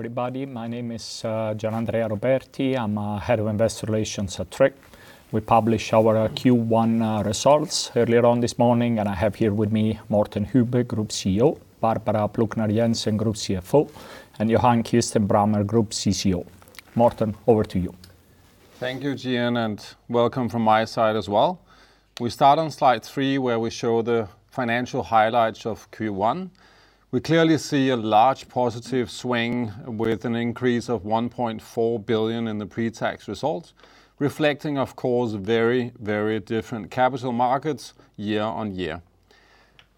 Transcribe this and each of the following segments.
Everybody, my name is Gianandrea Roberti. I'm Head of Investor Relations at Tryg. We published our Q1 results earlier on this morning. I have here with me Morten Hübbe, Group CEO, Barbara Plucnar Jensen, Group CFO, and Johan Kirstein Brammer, Group CCO. Morten, over to you. Thank you, Gian, and welcome from my side as well. We start on slide three, where we show the financial highlights of Q1. We clearly see a large positive swing with an increase of 1.4 billion in the pre-tax results, reflecting, of course, very, very different capital markets year on year.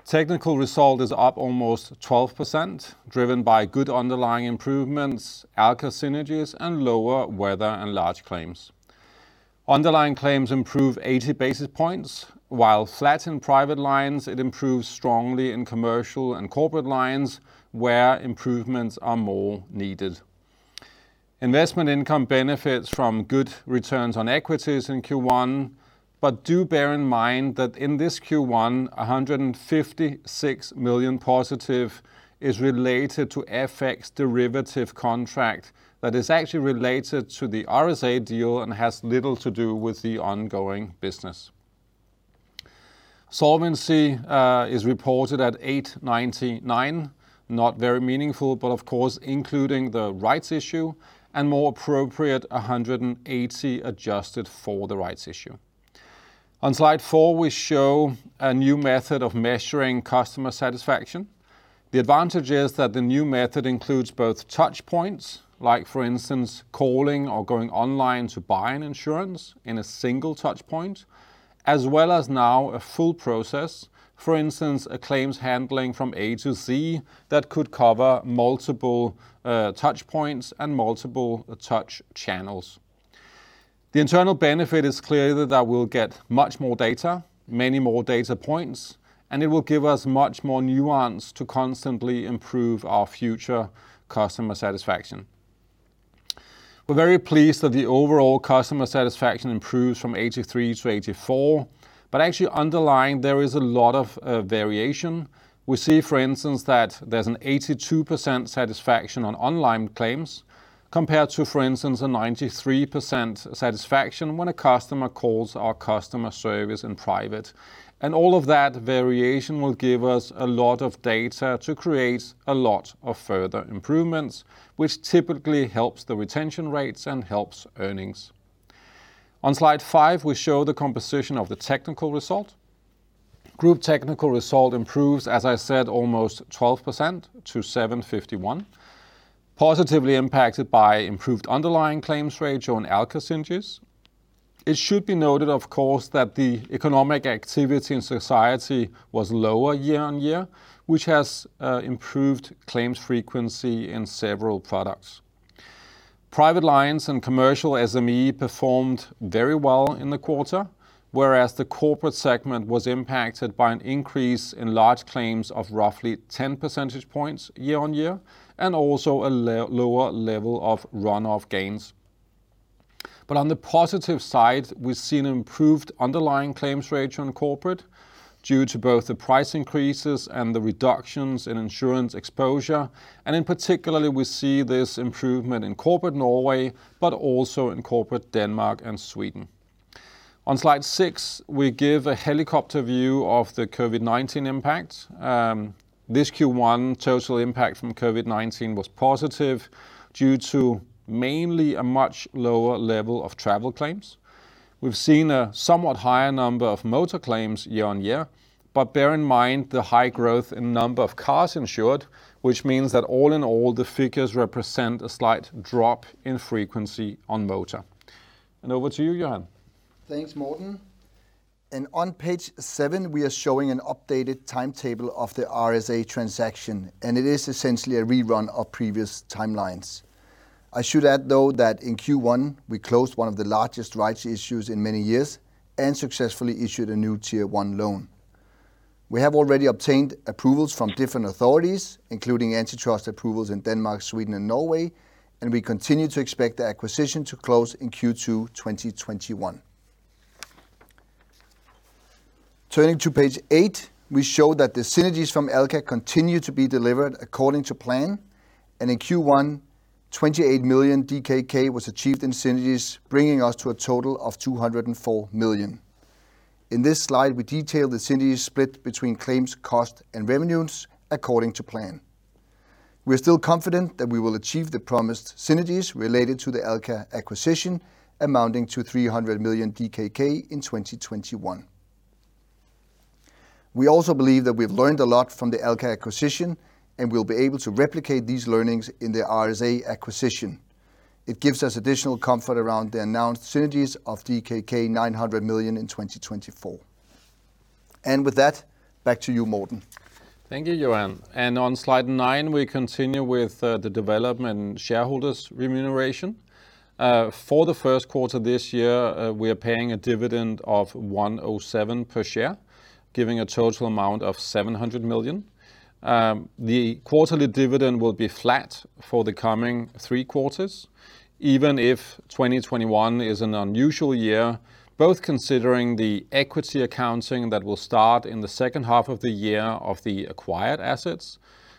Technical result is up almost 12%, driven by good underlying improvements, Alka synergies, and lower weather, and large claims. Underlying claims improve 80 basis points. While flat in Private lines, it improves strongly in Commercial, and Corporate lines, where improvements are more needed. Investment income benefits from good returns on equities in Q1, but do bear in mind that in this Q1, 156 million positive is related to FX derivative contract that is actually related to the RSA deal, and has little to do with the ongoing business. Solvency is reported at 899%. Not very meaningful, but of course, including the rights issue, and more appropriate, 180% adjusted for the rights issue. On slide four, we show a new method of measuring customer satisfaction. The advantage is that the new method includes both touchpoints, like for instance, calling, or going online to buy an insurance in a single touchpoint, as well as now a full process. For instance, a claims handling from A to Z that could cover multiple touchpoints, and multiple touch channels. The internal benefit is clearly that we'll get much more data, many more data points, and it will give us much more nuance to constantly improve our future customer satisfaction. We're very pleased that the overall customer satisfaction improves from 83-84, but actually underlying, there is a lot of variation. We see, for instance, that there's an 82% satisfaction on online claims, compared to, for instance, a 93% satisfaction when a customer calls our customer service in private. All of that variation will give us a lot of data to create a lot of further improvements, which typically helps the retention rates, and helps earnings. On slide five, we show the composition of the technical result. Group technical result improves, as I said, almost 12% to 751 million, positively impacted by improved underlying claims ratio, and Alka synergies. It should be noted, of course, that the economic activity in society was lower year on year, which has improved claims frequency in several products. Private lines, and Commercial SME performed very well in the quarter, whereas the Corporate segment was impacted by an increase in large claims of roughly 10 percentage points year on year, and also a lower level of run-off gains. On the positive side, we've seen improved underlying claims ratio on Corporate due to both the price increases, and the reductions in insurance exposure. In particular, we see this improvement in Corporate Norway, but also in Corporate Denmark and Sweden. On slide six, we give a helicopter view of the COVID-19 impact. This Q1 total impact from COVID-19 was positive due to mainly a much lower level of travel claims. We've seen a somewhat higher number of motor claims year on year, but bear in mind the high growth in number of cars insured, which means that all in all, the figures represent a slight drop in frequency on motor. Over to you, Johan. Thanks, Morten. On page seven, we are showing an updated timetable of the RSA transaction. It is essentially a rerun of previous timelines. I should add, though, that in Q1, we closed one of the largest rights issues in many years. Successfully issued a new Tier 1 loan. We have already obtained approvals from different authorities, including antitrust approvals in Denmark, Sweden, and Norway. We continue to expect the acquisition to close in Q2 2021. Turning to page eight, we show that the synergies from Alka continue to be delivered according to plan. In Q1, 28 million DKK was achieved in synergies, bringing us to a total of 204 million. In this slide, we detail the synergies split between claims cost, and revenues according to plan. We're still confident that we will achieve the promised synergies related to the Alka acquisition, amounting to 300 million DKK in 2021. We also believe that we've learned a lot from the Alka acquisition, and we'll be able to replicate these learnings in the RSA acquisition. It gives us additional comfort around the announced synergies of DKK 900 million in 2024. With that, back to you, Morten. Thank you, Johan. On slide nine, we continue with the development shareholders' remuneration. For the first quarter this year, we are paying a dividend of 1.07 per share, giving a total amount of 700 million. The quarterly dividend will be flat for the coming three quarters, even if 2021 is an unusual year, both considering the equity accounting that will start in the second half of the year of the acquired assets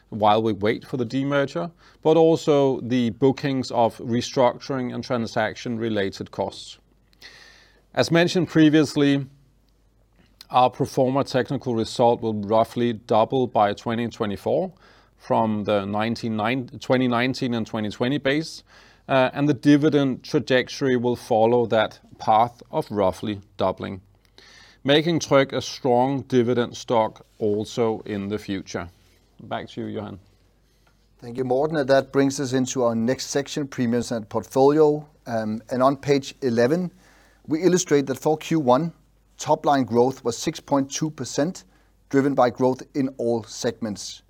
while we wait for the demerger, but also the bookings of restructuring, and transaction-related costs. As mentioned previously, our pro forma technical result will roughly double by 2024 from the 2019 and 2020 base, and the dividend trajectory will follow that path of roughly doubling, making Tryg a strong dividend stock also in the future. Back to you, Johan. Thank you, Morten. That brings us into our next section, premiums and portfolio. On page 11, we illustrate that for Q1, top line growth was 6.2%, driven by growth in all segments.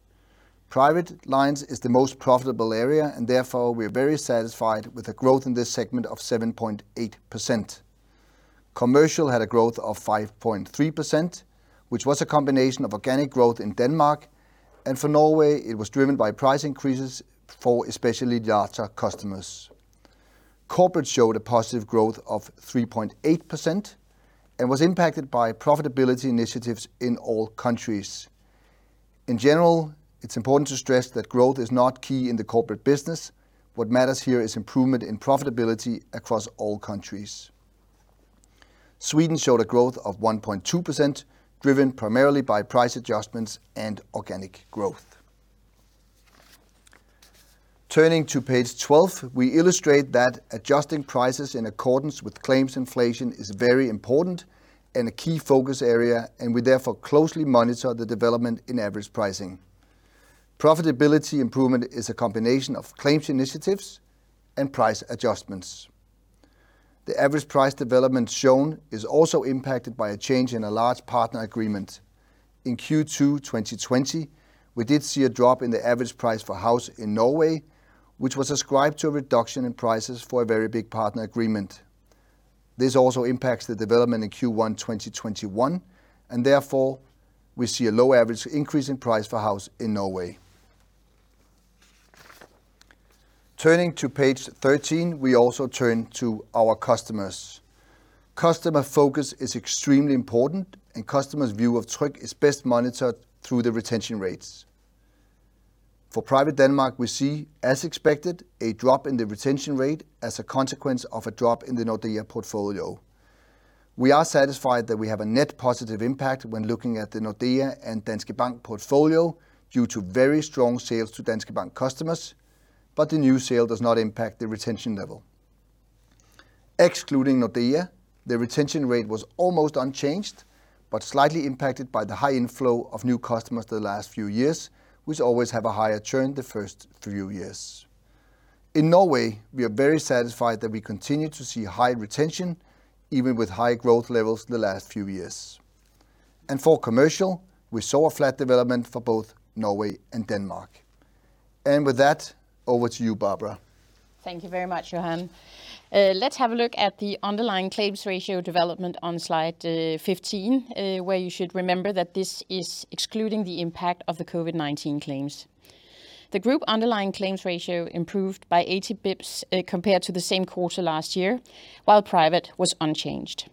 Private lines is the most profitable area, and therefore, we are very satisfied with the growth in this segment of 7.8%. Commercial had a growth of 5.3%, which was a combination of organic growth in Denmark. For Norway, it was driven by price increases for especially larger customers. Corporate showed a positive growth of 3.8%, and was impacted by profitability initiatives in all countries. In general, it's important to stress that growth is not key in the Corporate business. What matters here is improvement in profitability across all countries. Sweden showed a growth of 1.2%, driven primarily by price adjustments, and organic growth. Turning to page 12, we illustrate that adjusting prices in accordance with claims inflation is very important, and a key focus area. We therefore closely monitor the development in average pricing. Profitability improvement is a combination of claims initiatives, and price adjustments. The average price development shown is also impacted by a change in a large partner agreement. In Q2 2020, we did see a drop in the average price for house in Norway, which was ascribed to a reduction in prices for a very big partner agreement. This also impacts the development in Q1 2021. Therefore, we see a low average increase in price for house in Norway. Turning to page 13, we also turn to our customers. Customer focus is extremely important. Customers' view of Tryg is best monitored through the retention rates. For Private Denmark, we see, as expected, a drop in the retention rate as a consequence of a drop in the Nordea portfolio. We are satisfied that we have a net positive impact when looking at the Nordea and Danske Bank portfolio due to very strong sales to Danske Bank customers, but the new sale does not impact the retention level. Excluding Nordea, the retention rate was almost unchanged, but slightly impacted by the high inflow of new customers the last few years, which always have a higher churn the first few years. In Norway, we are very satisfied that we continue to see high retention, even with high growth levels in the last few years. For Commercial, we saw a flat development for both Norway and Denmark. With that, over to you, Barbara. Thank you very much, Johan. Let's have a look at the underlying claims ratio development on slide 15, where you should remember that this is excluding the impact of the COVID-19 claims. The group underlying claims ratio improved by 80 basis points compared to the same quarter last year, while Private was unchanged.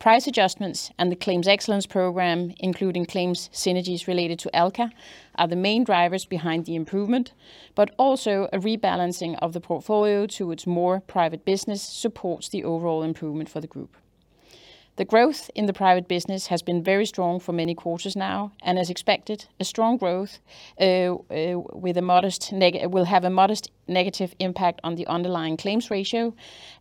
Price adjustments, and the claims excellence program, including claims synergies related to Alka, are the main drivers behind the improvement, but also a rebalancing of the portfolio towards more private business supports the overall improvement for the group. The growth in the Private business has been very strong for many quarters now, and as expected, a strong growth with a modest, will have a modest negative impact on the underlying claims ratio,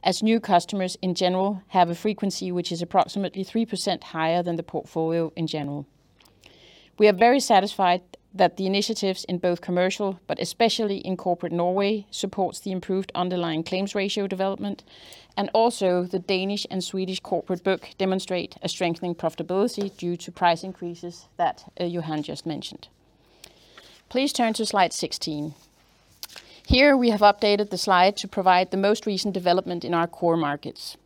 as new customers, in general, have a frequency which is approximately 3% higher than the portfolio in general. We are very satisfied that the initiatives in both Commercial, but especially in Corporate Norway, supports the improved underlying claims ratio development, and also the Danish and Swedish Corporate book demonstrate a strengthening profitability due to price increases that Johan just mentioned. Please turn to slide 16. Here we have updated the slide to provide the most recent development in our core markets.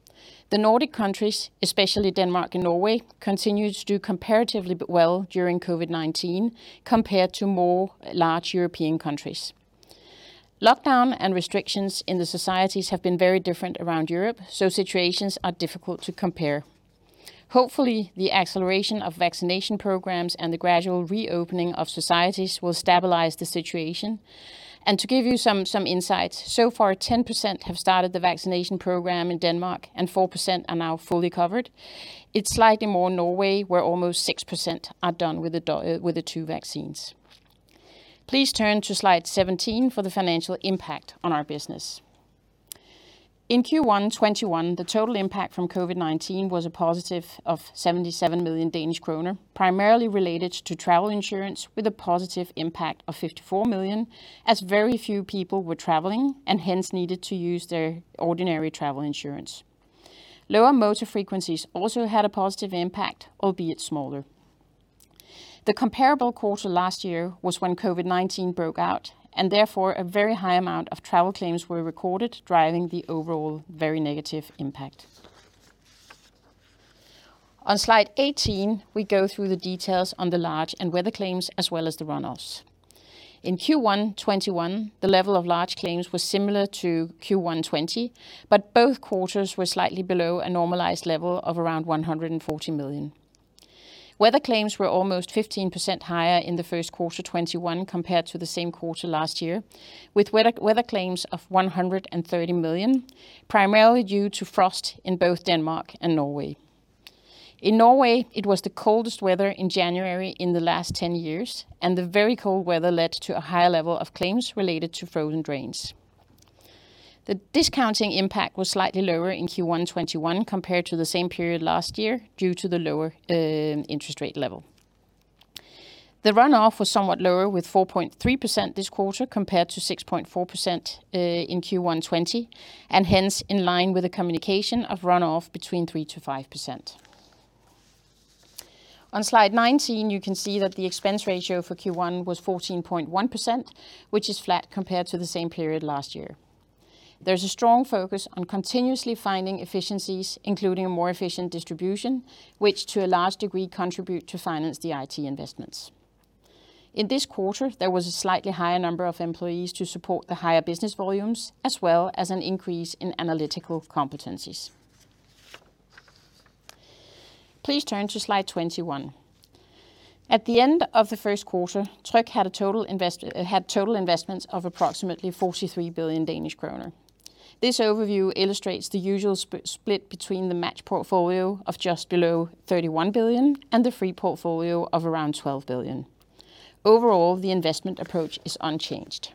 The Nordic countries, especially Denmark and Norway, continue to do comparatively well during COVID-19 compared to more large European countries. Lockdown, and restrictions in the societies have been very different around Europe, so situations are difficult to compare. Hopefully, the acceleration of vaccination programs, and the gradual reopening of societies will stabilize the situation. To give you some insights, so far, 10% have started the vaccination program in Denmark, and 4% are now fully covered. It's slightly more in Norway, where almost 6% are done with the two vaccines. Please turn to slide 17 for the financial impact on our business. In Q1 2021, the total impact from COVID-19 was as positive of 77 million Danish kroner, primarily related to travel insurance with a positive impact of 54 million, as very few people were traveling, and hence needed to use their ordinary travel insurance. Lower motor frequencies also had a positive impact, albeit smaller. The comparable quarter last year was when COVID-19 broke out, and therefore, a very high amount of travel claims were recorded, driving the overall very negative impact. On slide 18, we go through the details on the large and weather claims as well as the runoffs. In Q1 2021, the level of large claims was similar to Q1 2020, but both quarters were slightly below a normalized level of around 140 million. Weather claims were almost 15% higher in the first quarter 2021 compared to the same quarter last year, with weather claims of 130 million, primarily due to frost in both Denmark and Norway. In Norway, it was the coldest weather in January in the last 10 years. The very cold weather led to a higher level of claims related to frozen drains. The discounting impact was slightly lower in Q1 2021 compared to the same period last year due to the lower interest rate level. The runoff was somewhat lower, with 4.3% this quarter compared to 6.4% in Q1 2020, hence in line with the communication of runoff between 3%-5%. On slide 19, you can see that the expense ratio for Q1 was 14.1%, which is flat compared to the same period last year. There's a strong focus on continuously finding efficiencies, including a more efficient distribution, which to a large degree contribute to finance the IT investments. In this quarter, there was a slightly higher number of employees to support the higher business volumes, as well as an increase in analytical competencies. Please turn to slide 21. At the end of the first quarter, Tryg had a total, had total investments of approximately 43 billion Danish kroner. This overview illustrates the usual split between the match portfolio of just below 31 billion, and the free portfolio of around 12 billion. Overall, the investment approach is unchanged.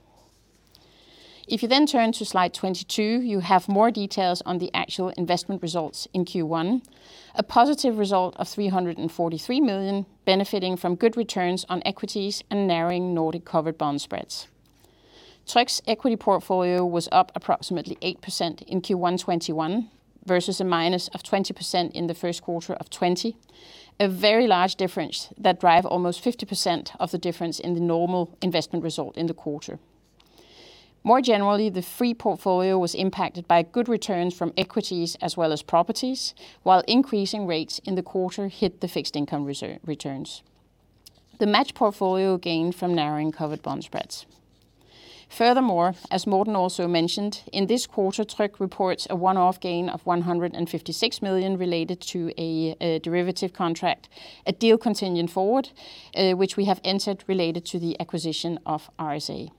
If you turn to slide 22, you have more details on the actual investment results in Q1. A positive result of 343 million benefiting from good returns on equities, and narrowing Nordic covered bond spreads. Tryg's equity portfolio was up approximately 8% in Q1 2021 versus a minus of 20% in the first quarter of 2020, a very large difference that drive almost 50% of the difference in the normal investment result in the quarter. More generally, the free portfolio was impacted by good returns from equities as well as properties, while increasing rates in the quarter hit the fixed income returns. The match portfolio gained from narrowing covered bond spreads. Furthermore, as Morten also mentioned, in this quarter, Tryg reports a one-off gain of 156 million related to a derivative contract, a deal contingent forward, which we have entered related to the acquisition of RSA.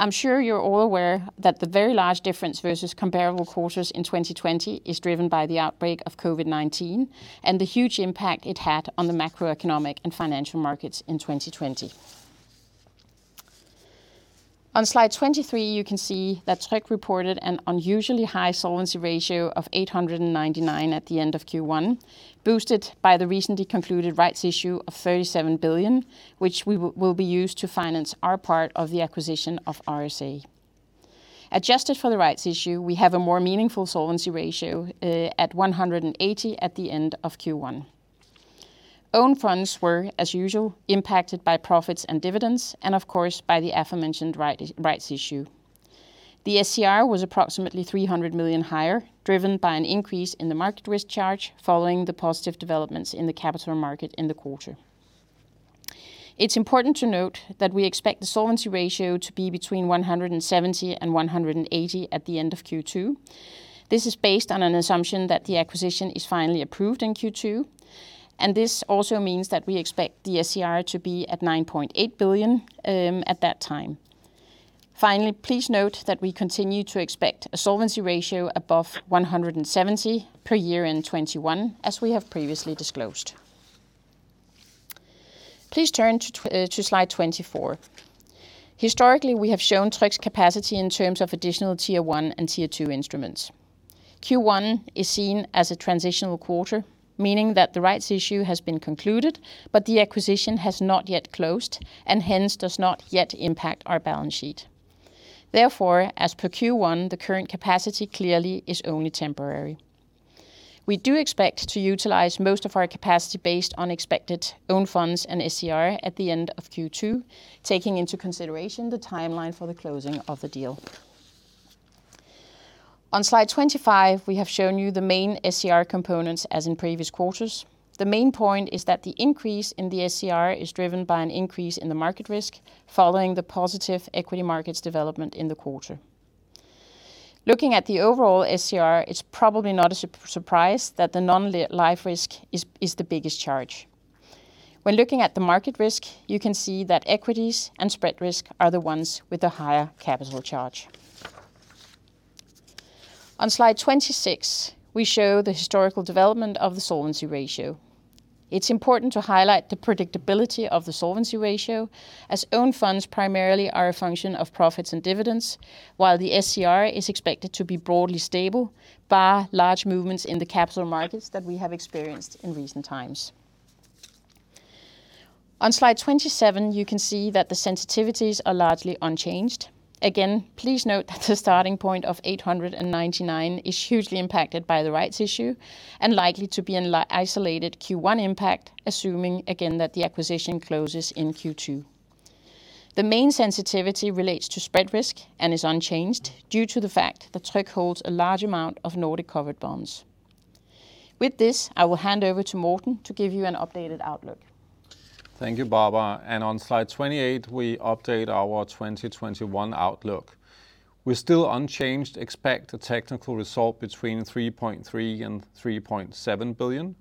I'm sure you're all aware that the very large difference versus comparable quarters in 2020 is driven by the outbreak of COVID-19, and the huge impact it had on the macroeconomic, and financial markets in 2020. On slide 23, you can see that Tryg reported an unusually high solvency ratio of 899% at the end of Q1, boosted by the recently concluded rights issue of 37 billion, which will be used to finance our part of the acquisition of RSA. Adjusted for the rights issue, we have a more meaningful solvency ratio at 180% at the end of Q1. Own funds were, as usual, impacted by profits and dividends, and of course, by the aforementioned rights issue. The SCR was approximately 300 million higher, driven by an increase in the market risk charge following the positive developments in the capital market in the quarter. It's important to note that we expect the solvency ratio to be between 170% and 180% at the end of Q2. This is based on an assumption that the acquisition is finally approved in Q2. This also means that we expect the SCR to be at 9.8 billion at that time. Finally, please note that we continue to expect a solvency ratio above 170% per year-end 2021, as we have previously disclosed. Please turn to slide 24. Historically, we have shown Tryg's capacity in terms of additional Tier 1 and Tier 2 instruments. Q1 is seen as a transitional quarter, meaning that the rights issue has been concluded. The acquisition has not yet closed, hence does not yet impact our balance sheet. Therefore, as per Q1, the current capacity clearly is only temporary. We do expect to utilize most of our capacity based on expected own funds, and SCR at the end of Q2, taking into consideration the timeline for the closing of the deal. On slide 25, we have shown you the main SCR components as in previous quarters. The main point is that the increase in the SCR is driven by an increase in the market risk following the positive equity markets development in the quarter. Looking at the overall SCR, it is probably not a surprise that the non-life risk is the biggest charge. When looking at the market risk, you can see that equities, and spread risk are the ones with the higher capital charge. On slide 26, we show the historical development of the solvency ratio. It's important to highlight the predictability of the solvency ratio, as own funds primarily are a function of profits and dividends, while the SCR is expected to be broadly stable, bar large movements in the capital markets that we have experienced in recent times. On slide 27, you can see that the sensitivities are largely unchanged. Again, please note that the starting point of 899% is hugely impacted by the rights issue, and likely to be an isolated Q1 impact, assuming again that the acquisition closes in Q2. The main sensitivity relates to spread risk, and is unchanged due to the fact that Tryg holds a large amount of Nordic covered bonds. With this, I will hand over to Morten to give you an updated outlook. Thank you, Barbara. On slide 28, we update our 2021 outlook. We still unchanged expect a technical result between 3.3 billion and 3.7 billion,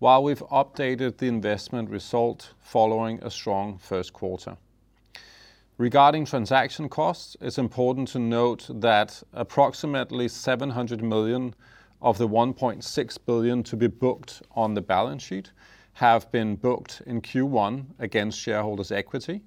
while we've updated the investment result following a strong first quarter. Regarding transaction costs, it's important to note that approximately 700 million of the 1.6 billion to be booked on the balance sheet have been booked in Q1 against shareholders' equity.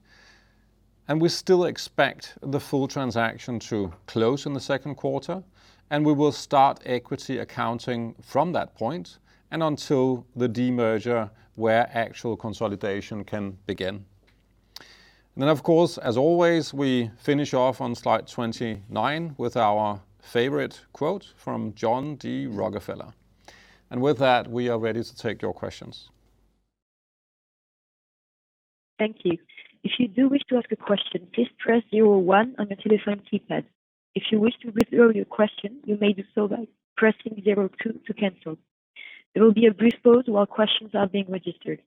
We still expect the full transaction to close in the second quarter, and we will start equity accounting from that point, and until the demerger where actual consolidation can begin. Of course, as always, we finish off on slide 29 with our favorite quote from John D. Rockefeller. With that, we are ready to take your questions. Thank you. If you do wish to ask a question, please press zero one on your telephone keypad. If you wish to withdraw your question, you may do so by pressing zero two to cancel. There will be a brief pause while questions are being registered.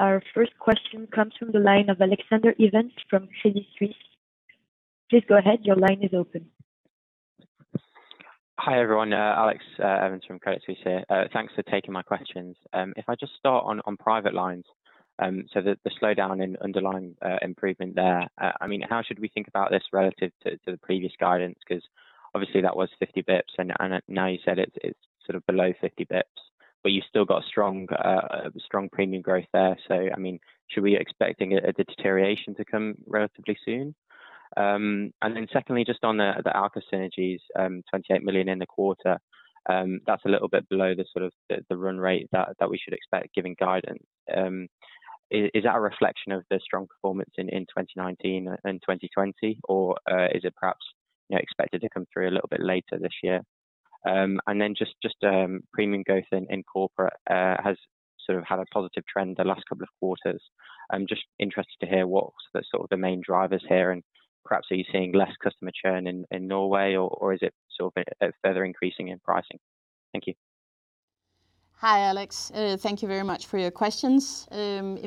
Our first question comes from the line of Alexander Evans from Credit Suisse. Please go ahead. Your line is open. Hi, everyone. Alex from Credit Suisse here. Thanks for taking my questions. If I just start on Private lines, the slowdown in underlying improvement there, how should we think about this relative to the previous guidance? Obviously that was 50 basis points, and now you said it's below 50 basis points, you still got strong premium growth there. I mean, should we expecting a deterioration to come relatively soon? Secondly, just on the Alka synergies, 28 million in the quarter. That's a little bit below the run rate that we should expect given guidance. Is that a reflection of the strong performance in 2019 and 2020, or is it perhaps expected to come through a little bit later this year? Just premium growth in Corporate has had a positive trend the last couple of quarters. I'm just interested to hear what's the main drivers here, and perhaps are you seeing less customer churn in Norway, or is it further increasing in pricing? Thank you. Hi, Alex. Thank you very much for your questions.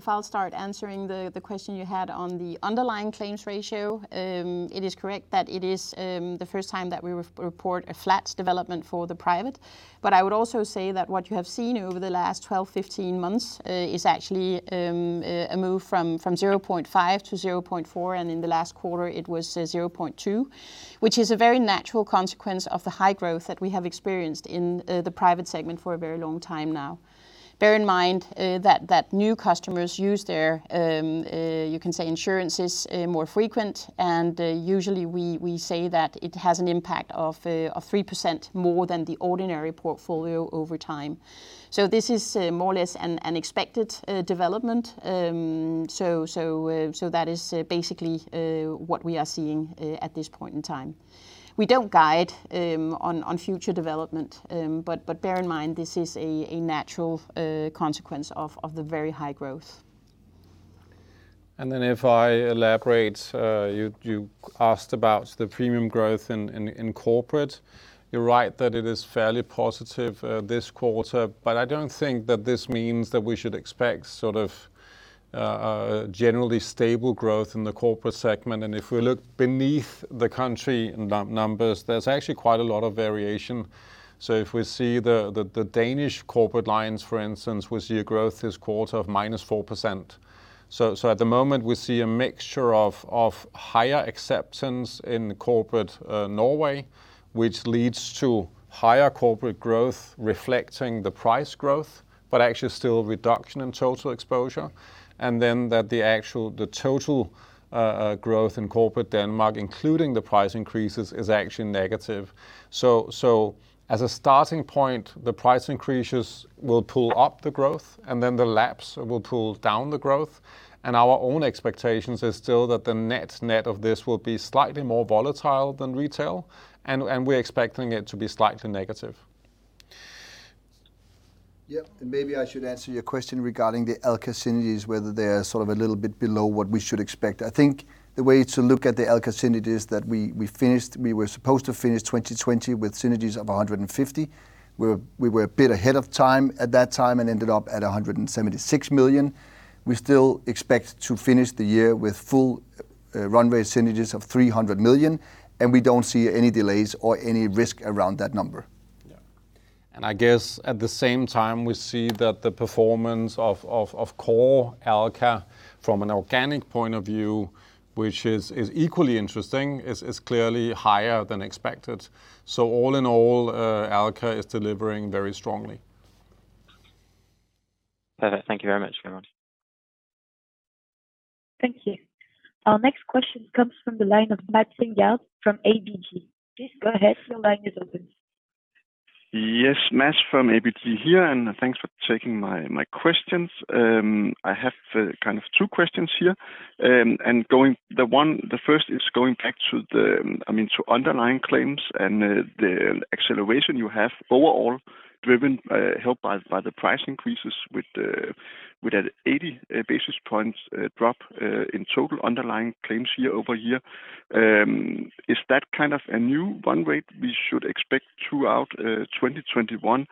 I'll start answering the question you had on the underlying claims ratio. It is correct that it is the first time that we report a flat development for the Private. I would also say that what you have seen over the last 12, 15 months is actually a move from 0.5%-0.4%, and in the last quarter it was 0.2%, which is a very natural consequence of the high growth that we have experienced in the Private segment for a very long time now. Bear in mind that new customers use their, you can say, insurances more frequent, and usually we say that it has an impact of 3% more than the ordinary portfolio over time. This is more or less an expected development. That is basically what we are seeing at this point in time. We don't guide on future development, but bear in mind this is a natural consequence of the very high growth. If I elaborate, you asked about the premium growth in Corporate. You're right that it is fairly positive this quarter, but I don't think that this means that we should expect soft of generally stable growth in the Corporate segment. If we look beneath the country numbers, there's actually quite a lot of variation. If we see the Danish Corporate lines, for instance, we see a growth this quarter of -4%. At the moment, we see a mixture of higher acceptance in Corporate Norway, which leads to higher corporate growth reflecting the price growth, but actually still a reduction in total exposure. Then the actual, the total growth in Corporate Denmark, including the price increases, is actually negative. As a starting point, the price increases will pull up the growth, and then the lapse will pull down the growth. Our own expectations is still that the net net of this will be slightly more volatile than retail, and we're expecting it to be slightly negative. Yeah. Maybe I should answer your question regarding the Alka synergies, whether they're sort of a little bit below what we should expect. I think the way to look at the Alka synergies that we finished, we were supposed to finish 2020 with synergies of 150 million. We were a bit ahead of time at that time, and ended up at 176 million. We still expect to finish the year with full run-rate synergies of 300 million. We don't see any delays or any risk around that number. Yeah. I guess at the same time, we see that the performance of core Alka from an organic point of view, which is equally interesting, is clearly higher than expected. All in all, Alka is delivering very strongly. Perfect. Thank you very much everyone. Thank you. Our next question comes from the line of Mads Thinggaard from ABG. Please go ahead. Your line is open. Yes, Mads from ABG here. Thanks for taking my questions. I have kind of two questions here. The one, the first is going back to the, I mean, to underlying claims, and the acceleration you have overall driven, helped by the price increases with that 80 basis points drop in total underlying claims year-over-year. Is that kind of a new run rate we should expect throughout 2021?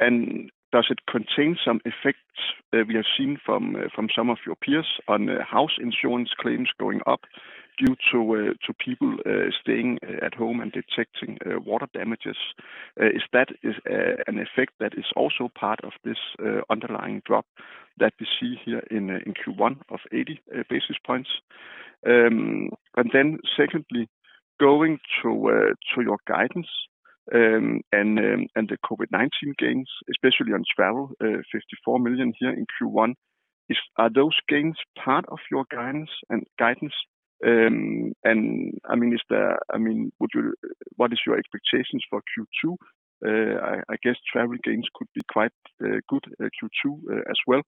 Does it contain some effects that we have seen from some of your peers on house insurance claims going up due to people staying at home, and detecting water damages? Is that an effect that is also part of this underlying drop that we see here in Q1 of 80 basis points? Secondly, going to your guidance, and the COVID-19 gains, especially on travel, 54 million here in Q1. Are those gains part of your guidance? I mean is there, I mean what is your expectations for Q2? I guess travel gains could be quite good at Q2 as well.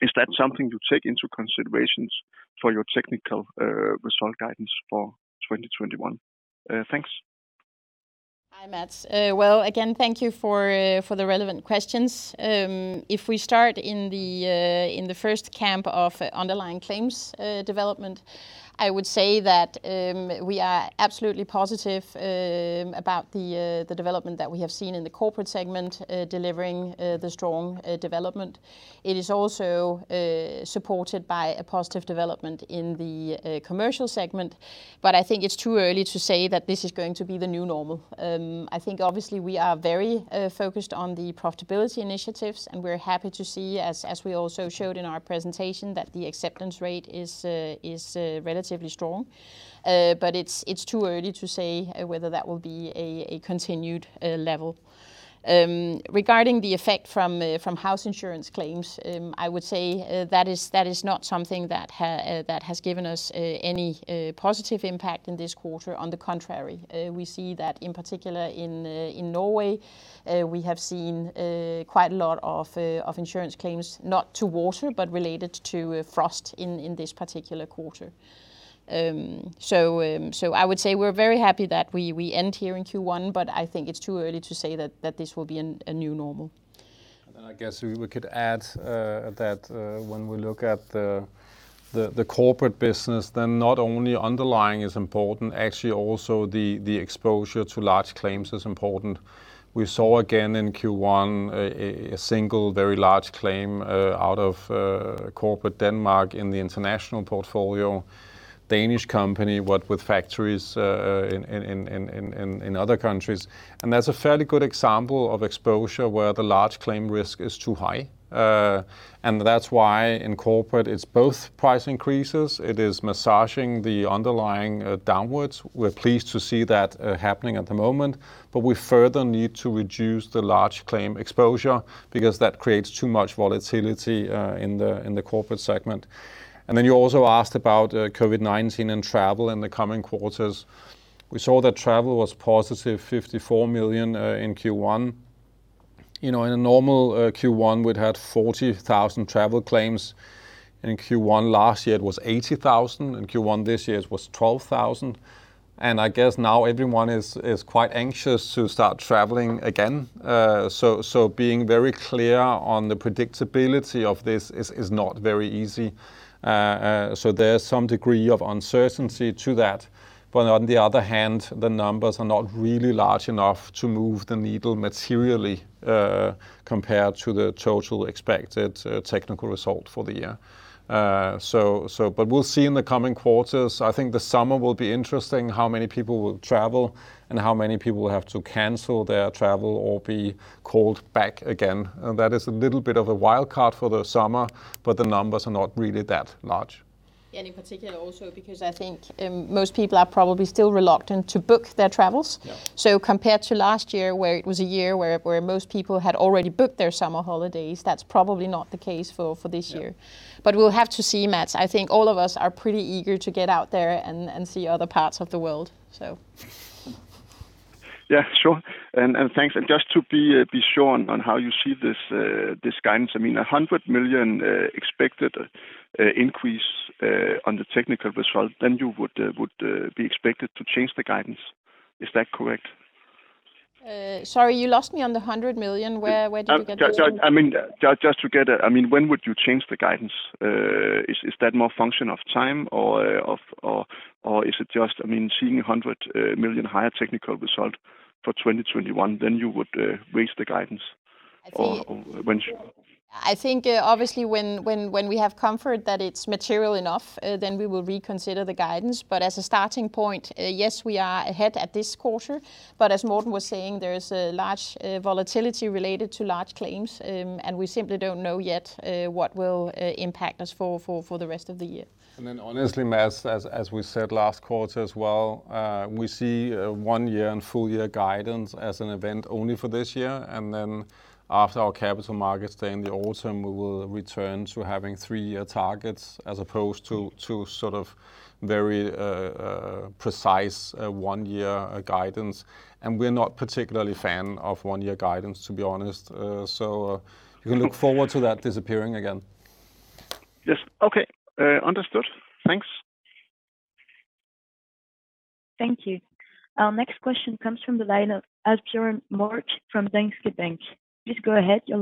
Is that something you take into considerations for your technical result guidance for 2021? Thanks. Hi, Mads. Well again, thank you for the relevant questions. If we start in the first camp of underlying claims development, I would say that we are absolutely positive about the development that we have seen in the Corporate segment delivering the strong development. It is also supported by a positive development in the Commercial segment. I think it's too early to say that this is going to be the new normal. I think obviously we are very focused on the profitability initiatives, and we're happy to see as we also showed in our presentation, that the acceptance rate is relatively strong. It's too early to say whether that will be a continued level. Regarding the effect from house insurance claims, I would say that is not something that has given us any positive impact in this quarter. On the contrary we see that in particular in Norway we have seen quite a lot of insurance claims, not to water, but related to frost in this particular quarter. I would say we're very happy that we end here in Q1, but I think it's too early to say that this will be a new normal. Then I guess we could add that when we look at the Corporate business, then not only underlying is important, actually, also the exposure to large claims is important. We saw again in Q1 a single very large claim out of Corporate Denmark in the international portfolio. Danish company with factories in other countries. That's a fairly good example of exposure where the large claim risk is too high. That's why in Corporate it's both price increases, it is massaging the underlying downwards. We're pleased to see that happening at the moment. We further need to reduce the large claim exposure because that creates too much volatility in the Corporate segment. Then you also asked about COVID-19, and travel in the coming quarters. We saw that travel was positive, 54 million in Q1. In a normal Q1, we'd had 40,000 travel claims. In Q1 last year it was 80,000. In Q1 this year it was 12,000. I guess now everyone is quite anxious to start traveling again. Being very clear on the predictability of this is not very easy. There's some degree of uncertainty to that. On the other hand, the numbers are not really large enough to move the needle materially compared to the total expected technical result for the year. We'll see in the coming quarters. I think the summer will be interesting, how many people will travel, and how many people will have to cancel their travel, or be called back again. That is a little bit of a wild card for the summer, but the numbers are not really that large. Yeah. In particular also because I think most people are probably still reluctant to book their travels. Compared to last year where it was a year where most people had already booked their summer holidays, that's probably not the case for this year. Yeah. We'll have to see, Mads. I think all of us are pretty eager to get out there, and see other parts of the world. Yeah, sure. Thanks. Just to be sure on how you see this guidance, a 100 million expected increase on the technical result, then you would be expected to change the guidance. Is that correct? Sorry, you lost me on the 100 million. Where did you get the DKK 100 million? Just to get it, when would you change the guidance? Is that more function of time, or is it just seeing 100 million higher technical result for 2021, then you would raise the guidance? I think obviously when we have comfort that it's material enough then we will reconsider the guidance. As a starting point, yes, we are ahead at this quarter, but as Morten was saying, there is a large volatility related to large claims, and we simply don't know yet what will impact us for the rest of the year. Honestly, Mads as we said last quarter as well, we see a one-year, and full-year guidance as an event only for this year. After our Capital Markets Day in the autumn, we will return to having three-year targets as opposed to sort of very precise one-year guidance. We are not particularly fan of one-year guidance, to be honest. You can look forward to that disappearing again. Yes. Okay. Understood. Thanks. Thank you. Our next question comes from the line of Asbjørn Mørk from Danske Bank. Please go ahead. Yes.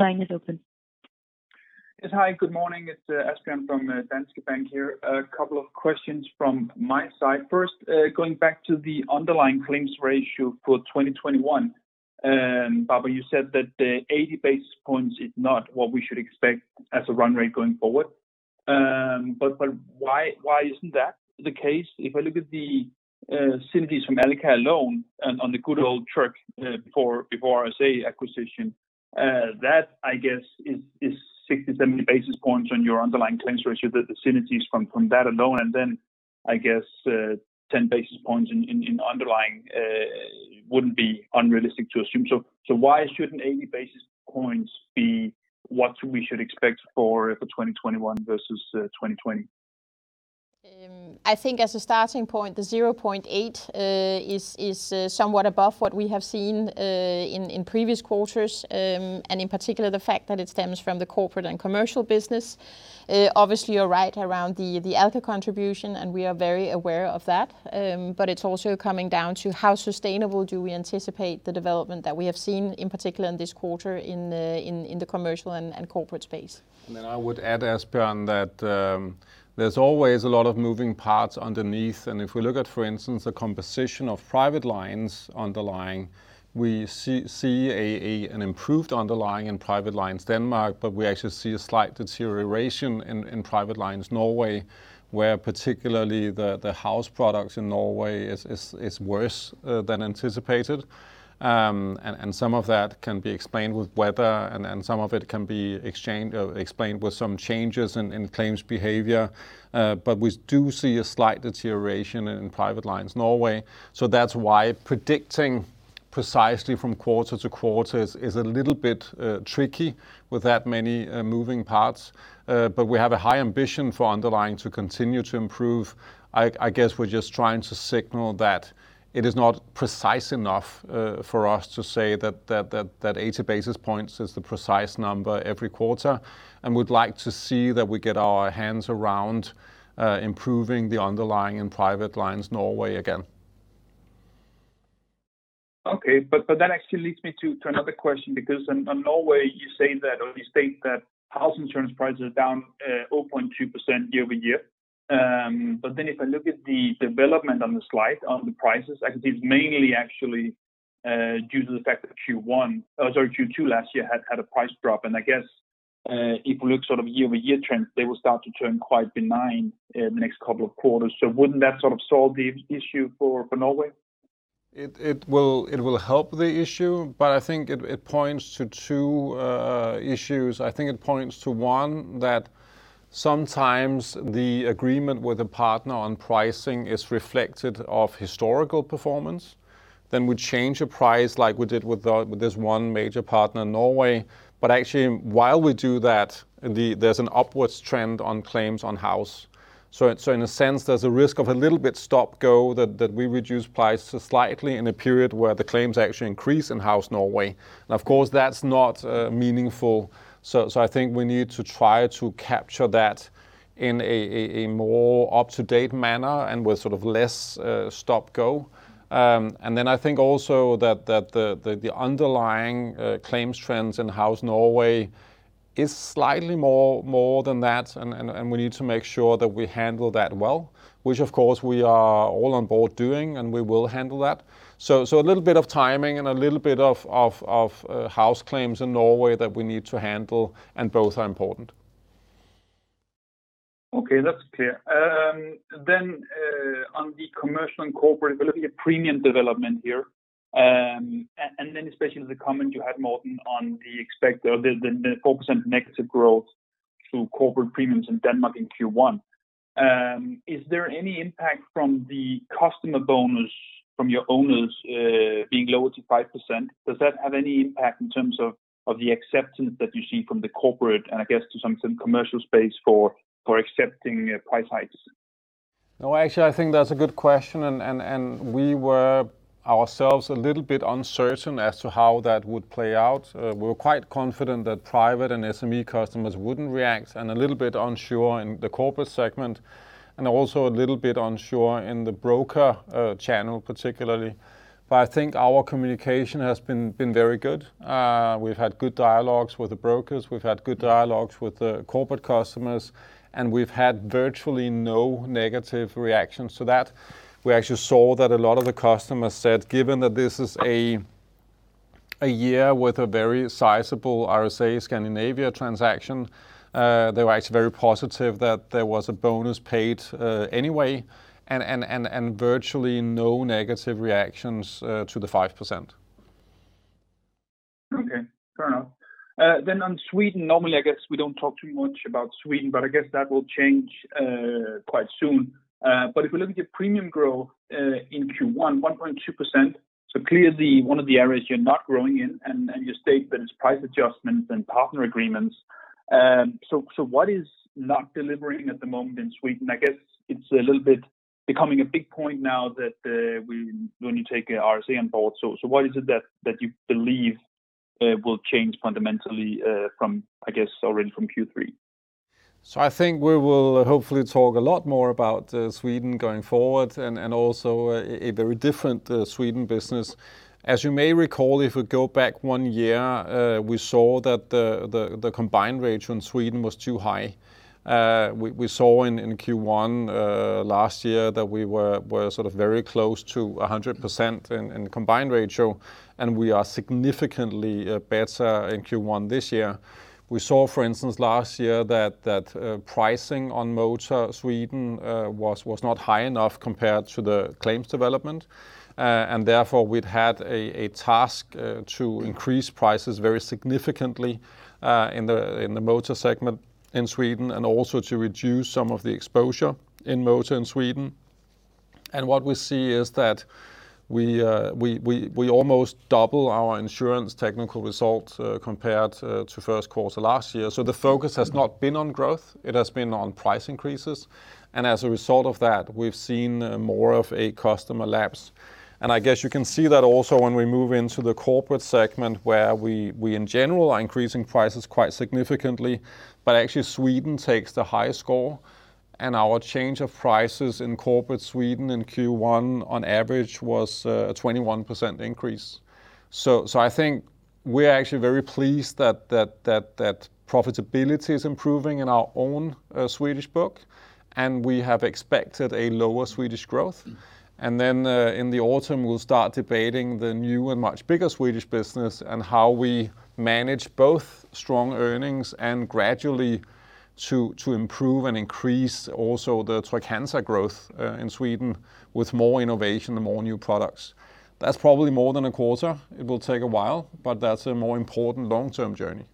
Hi, good morning. It's Asbjørn from Danske Bank here. A couple of questions from my side. Going back to the underlying claims ratio for 2021. Barbara, you said that the 80 basis points is not what we should expect as a run rate going forward. Why isn't that the case? If I look at the synergies from Alka alone, and on the good old Tryg before RSA acquisition, that I guess is 60, 70 basis points on your underlying claims ratio, the synergies from that alone, and then I guess 10 basis points in underlying wouldn't be unrealistic to assume so. Why shouldn't 80 basis points be what we should expect for 2021 versus 2020? I think as a starting point, the 0.8% is somewhat above what we have seen in previous quarters. In particular, the fact that it stems from the Corporate and Commercial business. Obviously, you're right around the Alka contribution, we are very aware of that. It's also coming down to how sustainable do we anticipate the development that we have seen, in particular in this quarter in the Commercial and Corporate space. I would add, Asbjørn, that there's always a lot of moving parts underneath. If we look at, for instance, the composition of Private lines underlying, we see an improved underlying in Private lines Denmark, but we actually see a slight deterioration in Private lines Norway, where particularly the house products in Norway is worse than anticipated. Some of that can be explained with weather, and some of it can be explained with some changes in claims behavior. We do see a slight deterioration in Private lines Norway. That's why predicting precisely from quarter to quarter is a little bit tricky with that many moving parts. We have a high ambition for underlying to continue to improve. I guess we're just trying to signal that it is not precise enough for us to say that 80 basis points is the precise number every quarter. We'd like to see that we get our hands around improving the underlying, and Private lines Norway again. Okay. That actually leads me to another question because on Norway you say that, you state that house insurance prices are down 0.2% year-over-year. If I look at the development on the slide on the prices, I can see it's mainly actually due to the fact that Q1, oh sorry, Q2 last year had had a price drop. I guess if we look sort of year-over-year trends, they will start to turn quite benign in the next couple of quarters. Wouldn't that sort of solve the issue for Norway? It will help the issue. I think it points to two issues. I think it points to one, that sometimes the agreement with a partner on pricing is reflected off historical performance. We change a price like we did with this one major partner in Norway. Actually, while we do that, there's an upwards trend on claims on house. In a sense, there's a risk of a little bit stop-go that we reduce price slightly in a period where the claims actually increase in house Norway. Of course, that's not meaningful. I think we need to try to capture that in a more up-to-date manner, and with sort of less stop-go. I think also that the underlying claims trends in house Norway is slightly more than that, and we need to make sure that we handle that well, which of course we are all on board doing, and we will handle that. A little bit of timing, and a little bit of house claims in Norway that we need to handle, and both are important. Okay, that's clear. Then on the Commercial and Corporate premium development here, and especially the comment you had, Morten, on the expected -4% growth to Corporate premiums in Denmark in Q1. Is there any impact from the customer bonus from your owners being lowered to 5%? Does that have any impact in terms of the acceptance that you see from the Corporate and I guess to some extent the Commercial space for accepting price hikes? No, actually, I think that's a good question, and we were ourselves a little bit uncertain as to how that would play out. We were quite confident that Private and SME customers wouldn't react, and a little bit unsure in the Corporate segment, and also a little bit unsure in the broker channel particularly. I think our communication has been very good. We've had good dialogues with the brokers. We've had good dialogues with the Corporate customers, and we've had virtually no negative reactions to that. We actually saw that a lot of the customers said, given that this is a year with a very sizable RSA Scandinavia transaction, they were actually very positive that there was a bonus paid anyway, and virtually no negative reactions to the 5%. Okay. Fair enough. Then on Sweden, normally, I guess we don't talk too much about Sweden, but I guess that will change quite soon. If we look at premium growth in Q1, 1.2%. Clearly one of the areas you're not growing in, and you state that it's price adjustments, and partner agreements. What is not delivering at the moment in Sweden? I guess it's a little bit becoming a big point now that when you take RSA on board. What is it that you believe will change fundamentally from, I guess, already from Q3? I think we will hopefully talk a lot more about Sweden going forward, and also a very different Sweden business. As you may recall, if we go back one year, we saw that the combined ratio in Sweden was too high. We saw in Q1 last year that we were very close to 100% in combined ratio, and we are significantly better in Q1 this year. We saw, for instance, last year that pricing on motor Sweden was not high enough compared to the claims development. Therefore, we'd had a task to increase prices very significantly in the motor segment in Sweden, and also to reduce some of the exposure in motor in Sweden. What we see is that we almost double our insurance technical result compared to first quarter last year. The focus has not been on growth, it has been on price increases. As a result of that, we've seen more of a customer lapse. I guess you can see that also when we move into the corporate segment, where we in general are increasing prices quite significantly. Actually Sweden takes the highest score, and our change of prices in corporate Sweden in Q1 on average was a 21% increase. I think we're actually very pleased that profitability is improving in our own Swedish book, and we have expected a lower Swedish growth. Then in the autumn, we'll start debating the new, and much bigger Swedish business, and how we manage both strong earnings, and gradually to improve, and increase also the Trygg-Hansa growth in Sweden with more innovation, and more new products. That's probably more than a quarter. It will take a while, but that's a more important long-term journey.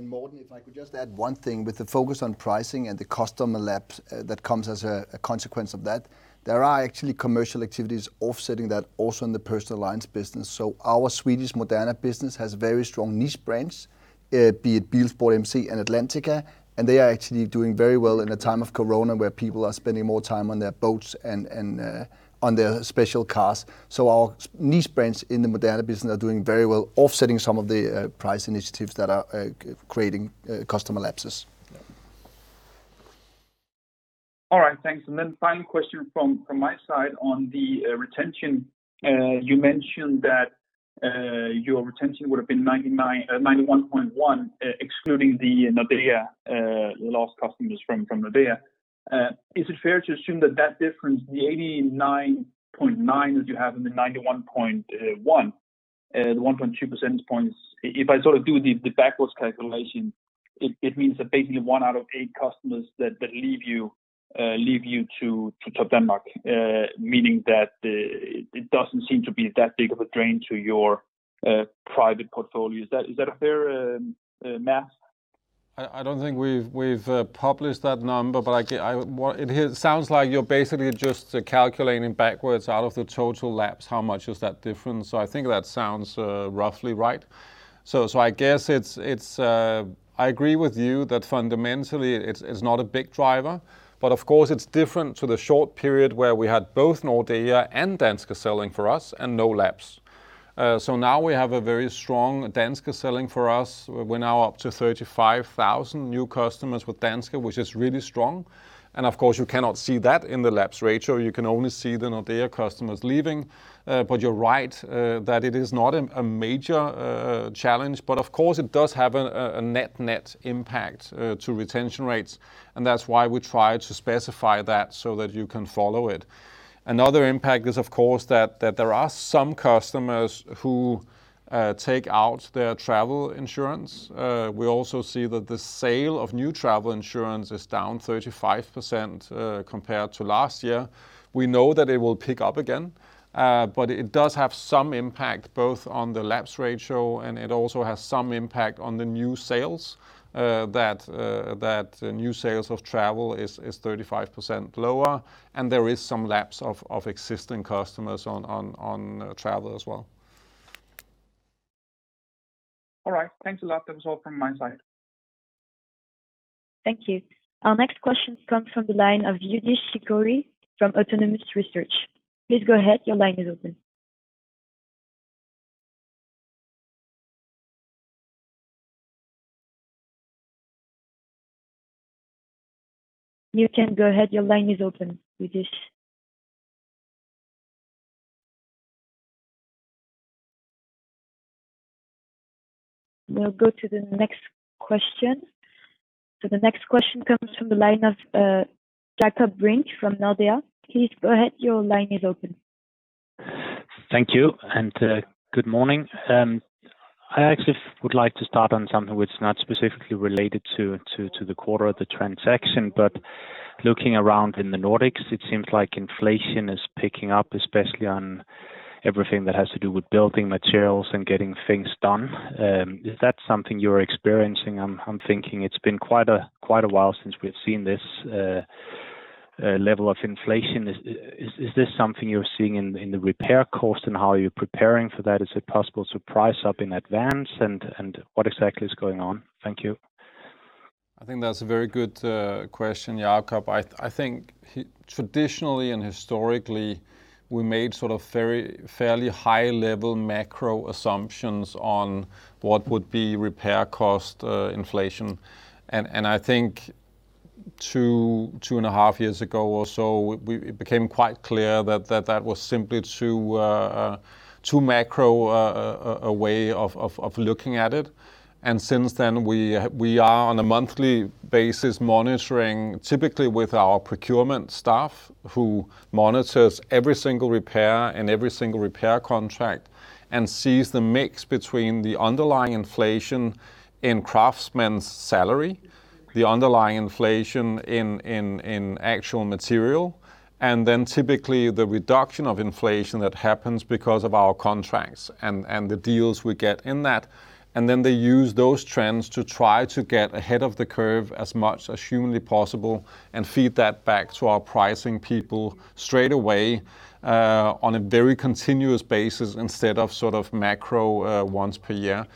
Morten, if I could just add one thing with the focus on pricing, and the customer lapse that comes as a consequence of that. There are actually Commercial activities offsetting that also in the personal lines business. Our Swedish Moderna business has very strong niche brands, be it Bilsport & MC and Atlantica, and they are actually doing very well in a time of corona where people are spending more time on their boats, and on their special cars. Our niche brands in the Moderna business are doing very well offsetting some of the price initiatives that are creating customer lapses. Yeah. Alright thanks, and then final question from my side on the retention. You mentioned that your retention would have been 91.1% excluding the Nordea lost customers from Nordea. Is it fair to assume that that difference, the 89.9% that you have and the 91.1%, the 1.2 percentage points, if I do the backwards calculation, it means that basically 1:8 customers that leave you to Topdanmark, meaning that it doesn't seem to be that big of a drain to your private portfolio. Is that a fair math? I don't think we've published that number, but it sounds like you're basically just calculating backwards out of the total lapse, how much is that difference. I think that sounds roughly right. I guess, it's a, I agree with you that fundamentally it's not a big driver, but of course it's different to the short period where we had both Nordea and Danske selling for us, and no lapse. Now we have a very strong Danske selling for us. We're now up to 35,000 new customers with Danske, which is really strong. Of course, you cannot see that in the lapse ratio. You can only see the Nordea customers leaving. You're right that it is not a major challenge, but of course it does have a net net impact to retention rates, and that's why we try to specify that so that you can follow it. Another impact is, of course, that there are some customers who take out their travel insurance. We also see that the sale of new travel insurance is down 35% compared to last year. We know that it will pick up again. It does have some impact both on the lapse ratio, and it also has some impact on the new sales, that new sales of travel is 35% lower, and there is some lapse of existing customers on travel as well. All right. Thanks a lot. That was all from my side. Thank you. Our next question comes from the line of Youdish Chicooree from Autonomous Research. Please go ahead. Your line is open. You can go ahead. Your line is open, Youdish. We'll go to the next question. The next question comes from the line of Jakob Brink from Nordea. Please go ahead. Your line is open. Thank you, and good morning. I actually would like to start on something which is not specifically related to the quarter of the transaction, but looking around in the Nordics, it seems like inflation is picking up, especially on everything that has to do with building materials, and getting things done. Is that something you're experiencing? I'm thinking it's been quite a while since we've seen this level of inflation. Is this something you're seeing in the repair cost, and how are you preparing for that? Is it possible to price up in advance? What exactly is going on? Thank you. I think that's a very good question, Jakob. I think traditionally, and historically, we made sort of fairly high level macro assumptions on what would be repair cost inflation. I think 2.5 years ago or so, it became quite clear that that was simply too macro a way of looking at it. Since then, we are on a monthly basis monitoring, typically with our procurement staff, who monitors every single repair, and every single repair contract, and sees the mix between the underlying inflation in craftsmen's salary, the underlying inflation in actual material, and then typically the reduction of inflation that happens because of our contracts, and the deals we get in that. They use those trends to try to get ahead of the curve as much as humanly possible, and feed that back to our pricing people straight away, on a very continuous basis instead of macro once per year.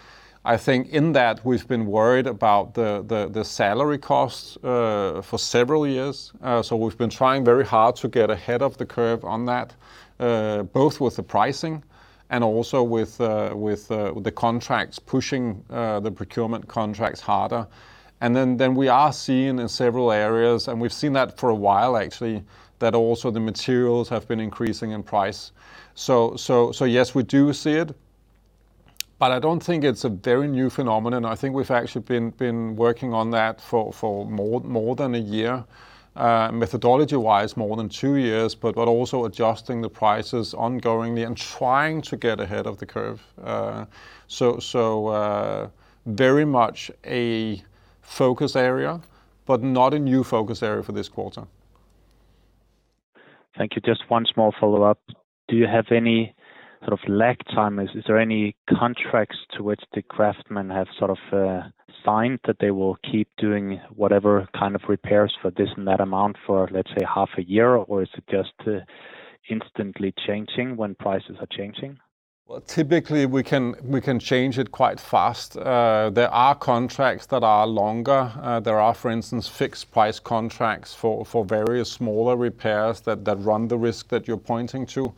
I think in that we've been worried about the salary costs for several years. We've been trying very hard to get ahead of the curve on that, both with the pricing, and also with the contracts, pushing the procurement contracts harder. We are seeing in several areas, and we've seen that for a while actually, that also the materials have been increasing in price. Yes, we do see it, but I don't think it's a very new phenomenon. I think we've actually been working on that for more than a year. Methodology-wise, more than two years, but also adjusting the prices ongoingly, and trying to get ahead of the curve. Very much a focus area, but not a new focus area for this quarter. Thank you. Just one small follow-up. Do you have any sort of lag time? Is there any contracts to which the craftsmen have signed that they will keep doing whatever kind of repairs for this and that amount for, let's say, half a year? Is it just instantly changing when prices are changing? Well, typically, we can change it quite fast. There are contracts that are longer. There are, for instance, fixed price contracts for various smaller repairs that run the risk that you're pointing to.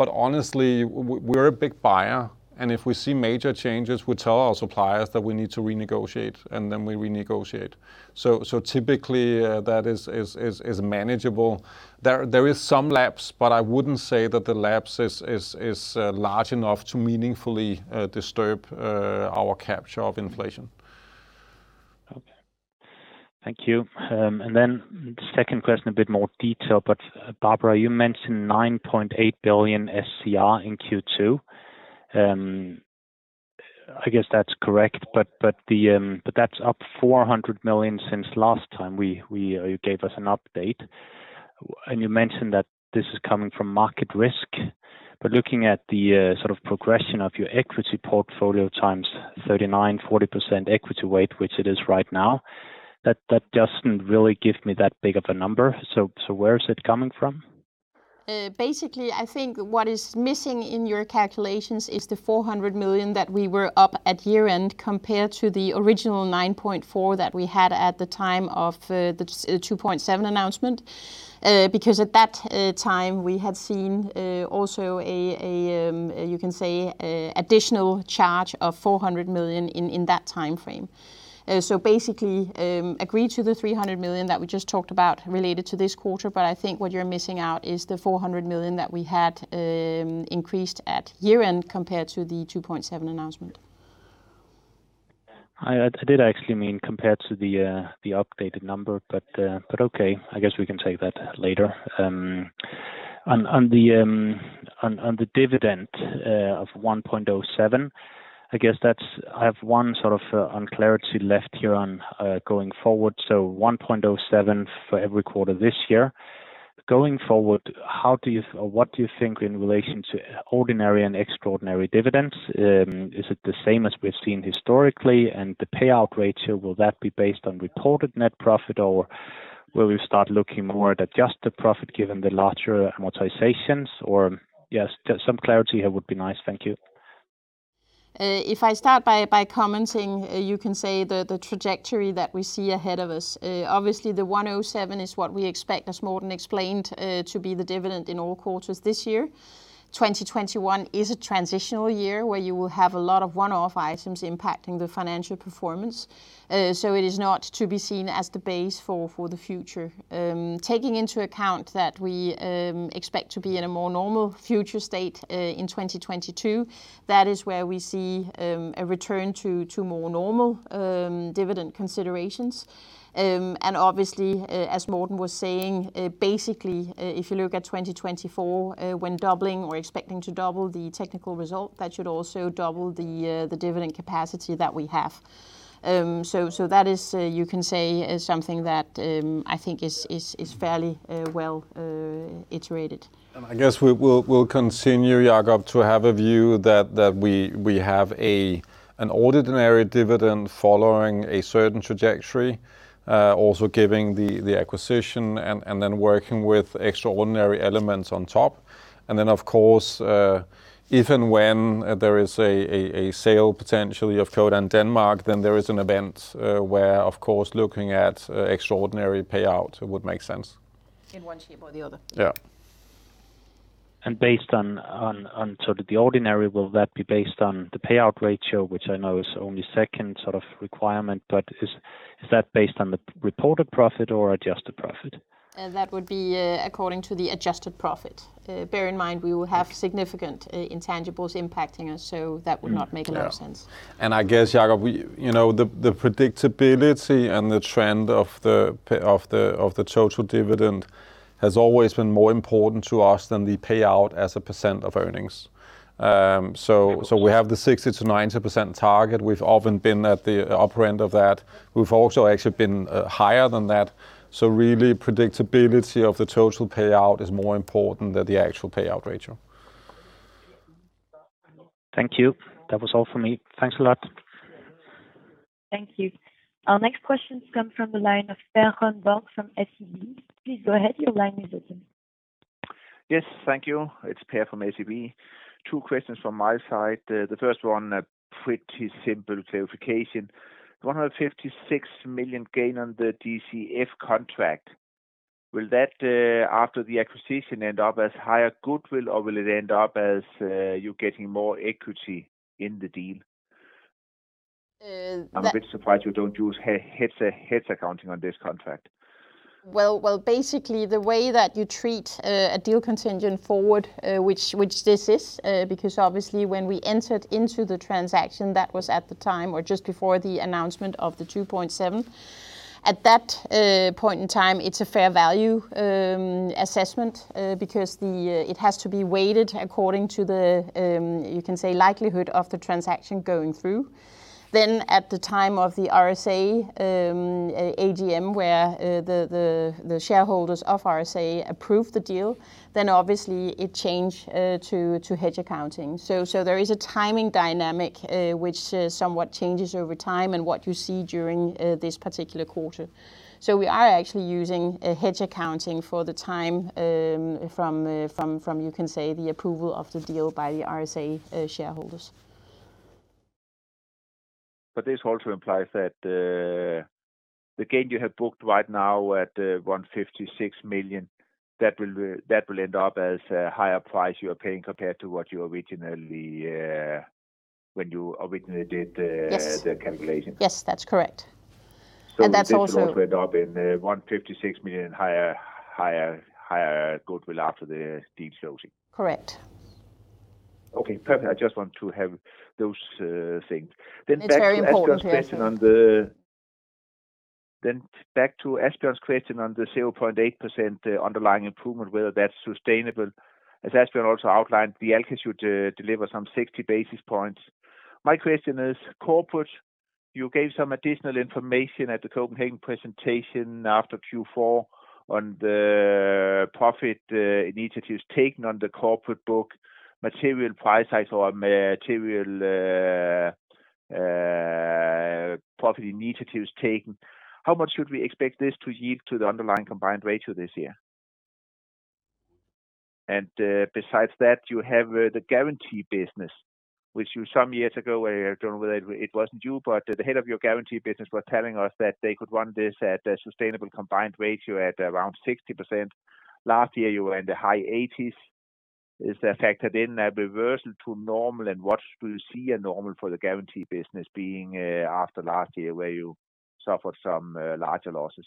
Honestly, we're a big buyer, and if we see major changes, we tell our suppliers that we need to renegotiate, and then we renegotiate. Typically, that is manageable. There is some lapse, but I wouldn't say that the lapse is large enough to meaningfully disturb our capture of inflation. Okay. Thank you. The second question, a bit more detail, but Barbara, you mentioned 9.8 billion SCR in Q2. I guess that's correct, but that's up 400 million since last time you gave us an update, and you mentioned that this is coming from market risk. Looking at the progression of your equity portfolio times 39%, 40% equity weight, which it is right now, that doesn't really give me that big of a number. Where is it coming from? Basically I think what is missing in your calculations is the 400 million that we were up at year-end compared to the original 9.4 billion that we had at the time of the 2.7 Announcement. At that time, we had seen also a you can say, a additional charge of 400 million in that timeframe. Basically, agree to the 300 million that we just talked about related to this quarter, but I think what you're missing out is the 400 million that we had increased at year-end compared to the 2.7 Announcement. I did actually mean compared to the updated number, but okay. I guess we can take that later. On the dividend of 1.07, I guess that, I have one sort of unclarity left here on going forward. 1.07 for every quarter this year. Going forward, how do you, what do you think in relation to ordinary, and extraordinary dividends? Is it the same as we've seen historically? The payout ratio, will that be based on reported net profit, or will we start looking more at adjusted profit given the larger amortizations? Yes, just some clarity here would be nice. Thank you. If I start by commenting, you can say the trajectory that we see ahead of us. Obviously, the 1.07 is what we expect, as Morten explained, to be the dividend in all quarters this year. 2021 is a transitional year, where you will have a lot of one-off items impacting the financial performance. It is not to be seen as the base for the future. Taking into account that we expect to be in a more normal future state in 2022, that is where we see a return to more normal dividend considerations. Obviously, as Morten was saying, basically, if you look at 2024, when doubling, or expecting to double the technical result, that should also double the dividend capacity that we have. That is, you can say, is something that I think is fairly well iterated. I guess we'll continue, Jakob, to have a view that we have a, an ordinary dividend following a certain trajectory. Also giving the acquisition, and then working with extraordinary elements on top. Then, of course if, and when there is a sale potentially of Codan Denmark, then there is an event where, of course, looking at extraordinary payout would make sense. In one shape, or the other. Yeah. Based on the ordinary, will that be based on the payout ratio, which I know is only second requirement, but is that based on the reported profit, or adjusted profit? That would be according to the adjusted profit. Bear in mind, we will have significant intangibles impacting us, so that would not make a lot of sense. Yeah. I guess, Jakob, the predictability, and the trend of the total dividend has always been more important to us than the payout as a percent of earnings. We have the 60%-90% target. We've often been at the upper end of that. We've also actually been higher than that. Really predictability of the total payout is more important than the actual payout ratio. Thank you. That was all for me. Thanks a lot. Thank you. Our next question comes from the line of Per Grønborg from SEB. Please go ahead. Your line is open. Yes, thank you. It's Per from SEB. Two questions from my side. The first one, pretty simple clarification. 156 million gain on the DCF contract. Will that, after the acquisition, end up as higher goodwill, or will it end up as you getting more equity in the deal? That- I'm a bit surprised you don't use hedge accounting on this contract. Well, basically, the way that you treat a deal contingent forward, which this is, because obviously when we entered into the transaction, that was at the time, or just before the announcement of the 2.7. At that point in time, it's a fair value assessment, because it has to be weighted according to the, you can say, likelihood of the transaction going through. At the time of the RSA AGM, where the shareholders of RSA approved the deal, then obviously it changed to hedge accounting. There is a timing dynamic which somewhat changes over time, and what you see during this particular quarter. We are actually using hedge accounting for the time from, you can say, the approval of the deal by the RSA shareholders. This also implies that the gain you have booked right now at 156 million, that will end up as a higher price you are paying compared to when you originally did? Yes The calculation. Yes, that's correct. This will also end up in 156 million higher, higher, higher goodwill after the deal closing. Correct. Okay, perfect. I just want to have those things. It's very important, yes. Then back to Asbjørn's question on the 0.8% underlying improvement, whether that's sustainable. As Asbjørn also outlined, Alka should deliver some 60 basis points. My question is Corporate. You gave some additional information at the Copenhagen presentation after Q4 on the profit initiatives taken on the Corporate book, material price hike, or material profit initiatives taken. How much should we expect this to yield to the underlying combined ratio this year? Besides that, you have the guarantee business, which you some years ago, I don't know whether it wasn't you, but the head of your guarantee business was telling us that they could run this at a sustainable combined ratio at around 60%. Last year you were in the high 80%s. Is that factored in a reversal to normal? What do you see a normal for the guarantee business being after last year where you suffered some larger losses?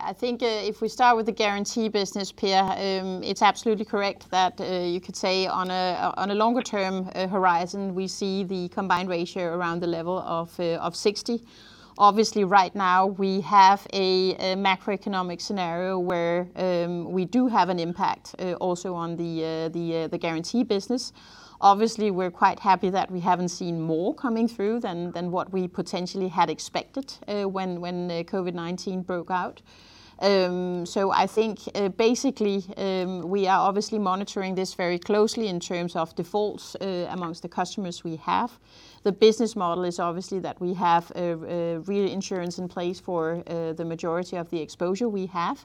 I think if we start with the guarantee business, Per, it's absolutely correct that you could say on a longer term horizon, we see the combined ratio around the level of 60%. Obviously right now we have a macroeconomic scenario where we do have an impact also on the guarantee business. Obviously, we're quite happy that we haven't seen more coming through than what we potentially had expected when COVID-19 broke out. I think basically, we are obviously monitoring this very closely in terms of defaults amongst the customers we have. The business model is obviously that we have a real insurance in place for the majority of the exposure we have.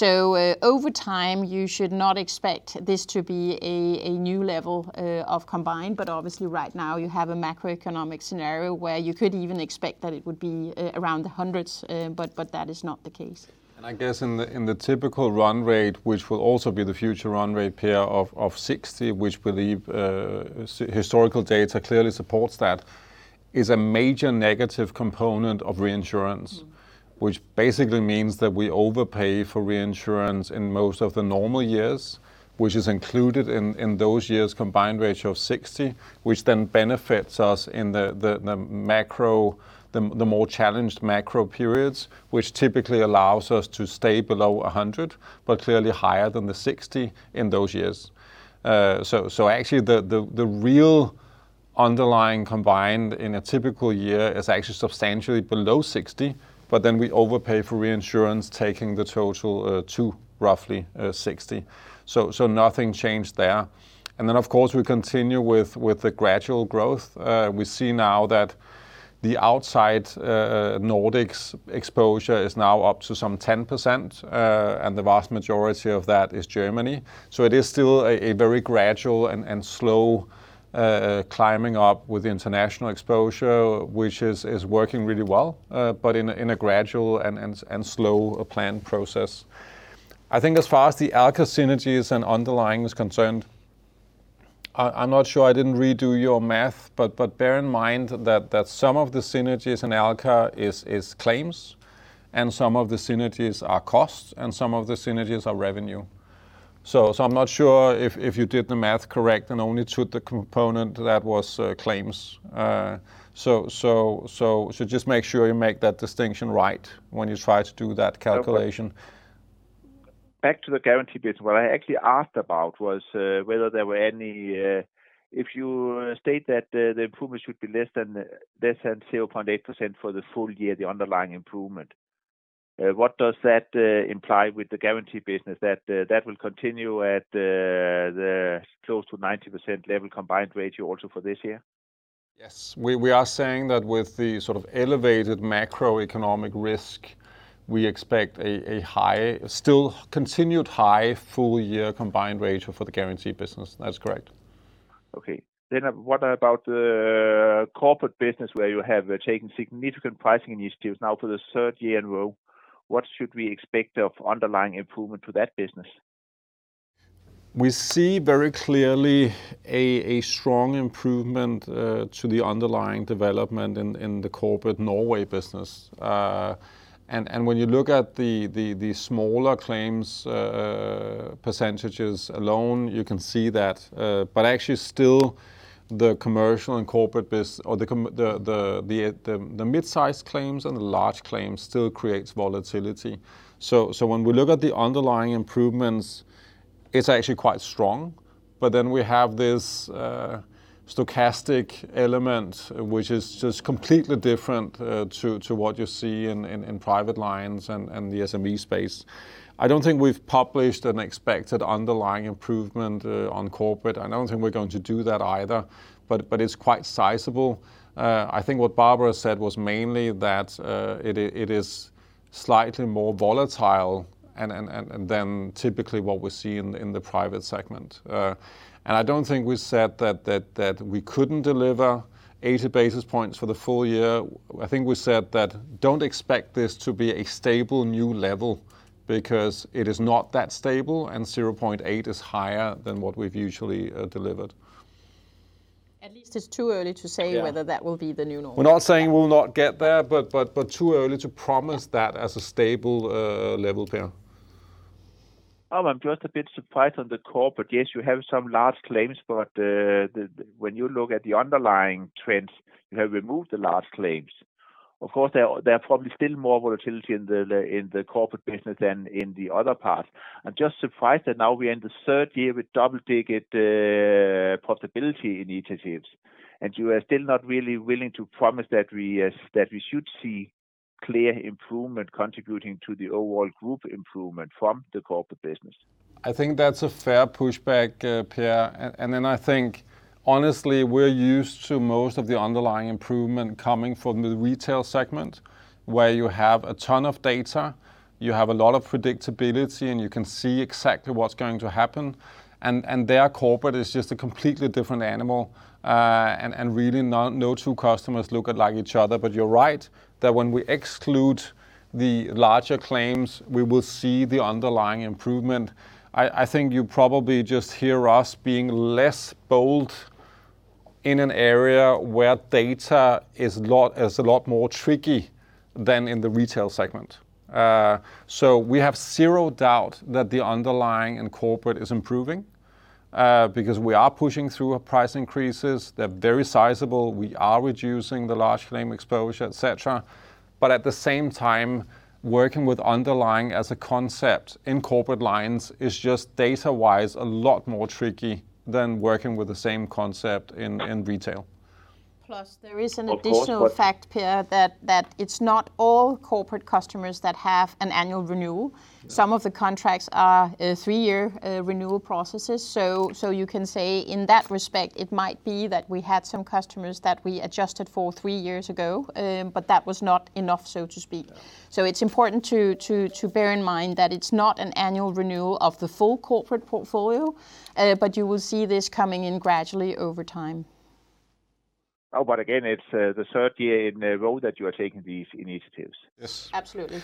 Over time, you should not expect this to be a new level of combined. Obviously, right now you have a macroeconomic scenario where you could even expect that it would be around the hundreds. That is not the case. I guess in the typical run rate, which will also be the future run rate, Per, of 60%, which we believe historical data clearly supports that, is a major negative component of reinsurance. Basically means that we overpay for reinsurance in most of the normal years, which is included in those years' combined ratio of 60%, which then benefits us in the macro, the more challenged macro periods, which typically allows us to stay below 100%, but clearly higher than the 60% in those years. Actually the real underlying combined in a typical year is actually substantially below 60%, but then we overpay for reinsurance, taking the total to roughly 60%. Nothing changed there. Then of course, we continue with the gradual growth. We see now that the outside Nordics exposure is now up to some 10%, and the vast majority of that is Germany. It is still a very gradual, and slow climbing up with international exposure, which is working really well, but in a gradual, and slow planned process. I think as far as the Alka synergies, and underlying is concerned, I'm not sure. I didn't redo your math. Bear in mind that some of the synergies in Alka is claims, and some of the synergies are costs, and some of the synergies are revenue. I'm not sure if you did the math correct, and only took the component that was claims. Just make sure you make that distinction right when you try to do that calculation. Back to the guarantee bit. What I actually asked about was, were there any, if you state that the improvement should be less than 0.8% for the full year, the underlying improvement, what does that imply with the guarantee business? That will continue at the close to 90% level combined ratio also for this year? Yes. We are saying that with the sort of elevated macroeconomic risk, we expect a high, still continued high full year combined ratio for the guarantee business. That's correct. Okay. What about the Corporate business where you have taken significant pricing initiatives now for the third year in a row? What should we expect of underlying improvement to that business? We see very clearly a strong improvement to the underlying development in the Corporate Norway business. When you look at the smaller claims percentages alone, you can see that. Actually still the Commercial and Corporate business, or the mid-size claims and the large claims still creates volatility. When we look at the underlying improvements, it's actually quite strong. We have this stochastic element, which is just completely different to what you see in Private lines and the SME space. I don't think we've published an expected underlying improvement on Corporate. I don't think we're going to do that either. It's quite sizable. I think what Barbara said was mainly that it is slightly more volatile than typically what we see in the Private segment. I don't think we said that we couldn't deliver 80 basis points for the full year. I think we said that don't expect this to be a stable new level because it is not that stable and 0.8% is higher than what we've usually delivered. At least it's too early to say whether that will be the new norm. We're not saying we will not get there, but too early to promise that as a stable level, Per. I'm just a bit surprised on the Corporate. Yes, you have some large claims, but when you look at the underlying trends, you have removed the large claims. Of course, there are probably still more volatility in the Corporate business than in the other parts. I'm just surprised that now we're in the third year with double-digit profitability initiatives, and you are still not really willing to promise that we should see clear improvement contributing to the overall group improvement from the Corporate business. I think that's a fair pushback, Per. Then I think honestly, we're used to most of the underlying improvement coming from the retail segment, where you have a ton of data, you have a lot of predictability, and you can see exactly what's going to happen. Their corporate is just a completely different animal, and really no two customers look like each other. You're right that when we exclude the larger claims, we will see the underlying improvement. I think you probably just hear us being less bold in an area where data is a lot more tricky than in the retail segment. We have zero doubt that the underlying in Corporate is improving, because we are pushing through price increases. They're very sizable. We are reducing the large claim exposure, et cetera. At the same time, working with underlying as a concept in Corporate lines is just data wise, a lot more tricky than working with the same concept in retail. Plus, there is an additional- Of course, but. Fact, Per, that it's not all Corporate customers that have an annual renewal. Yeah. Some of the contracts are three-year renewal processes. You can say in that respect, it might be that we had some customers that we adjusted for three years ago, but that was not enough, so to speak. Yeah. It's important to bear in mind that it's not an annual renewal of the full Corporate portfolio, but you will see this coming in gradually over time. Again, it's the third year in a row that you are taking these initiatives. Yes. Absolutely.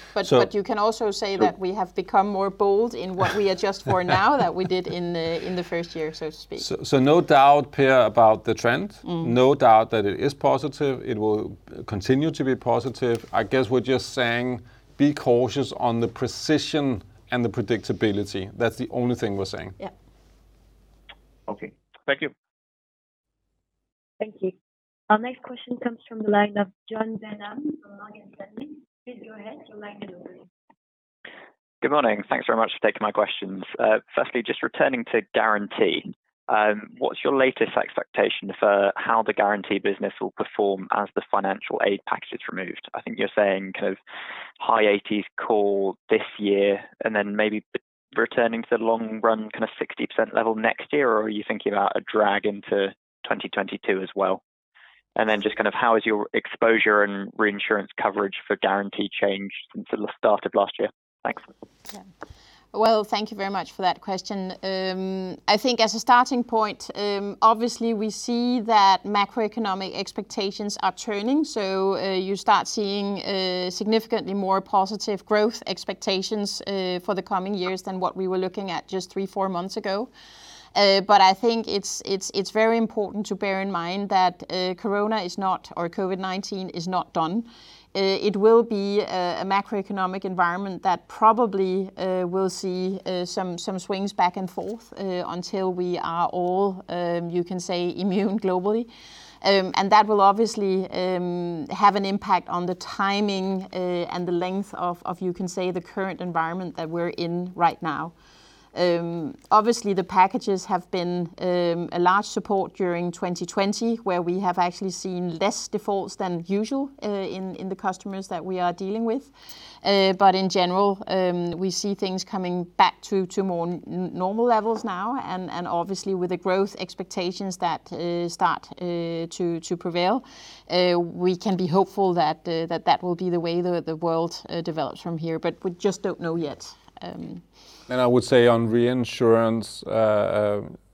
You can also say that we have become more bold in what we adjust for now than we did in the first year, so to speak. No doubt, Per, about the trend. No doubt that it is positive. It will continue to be positive. I guess we're just saying be cautious on the precision, and the predictability. That's the only thing we're saying. Yeah. Okay. Thank you. Thank you. Our next question comes from the line of Jon Denham from Morgan Stanley. Please go ahead, your line is open. Good morning. Thanks very much for taking my questions. Firstly, just returning to guarantee. What's your latest expectation for how the guarantee business will perform as the financial aid package is removed? I think you're saying kind of high 80%s call this year, then maybe returning to the long run kind of 60% level next year. Are you thinking about a drag into 2022 as well? Then just kind of how has your exposure, and reinsurance coverage for guarantee changed since the start of last year? Thanks. Thank you very much for that question. I think as a starting point, obviously we see that macroeconomic expectations are turning. You start seeing significantly more positive growth expectations for the coming years than what we were looking at just three, four months ago. I think it's very important to bear in mind that corona is not or COVID-19 is not done. It will be a macroeconomic environment that probably will see some swings back and forth until we are all, you can say, immune globally. That will obviously have an impact on the timing, and the length of, you can say, the current environment that we're in right now. Obviously, the packages have been a large support during 2020, where we have actually seen less defaults than usual in the customers that we are dealing with. In general, we see things coming back to more normal levels now. Obviously with the growth expectations that start to prevail, we can be hopeful that will be the way the world develops from here. We just don't know yet. I would say on reinsurance,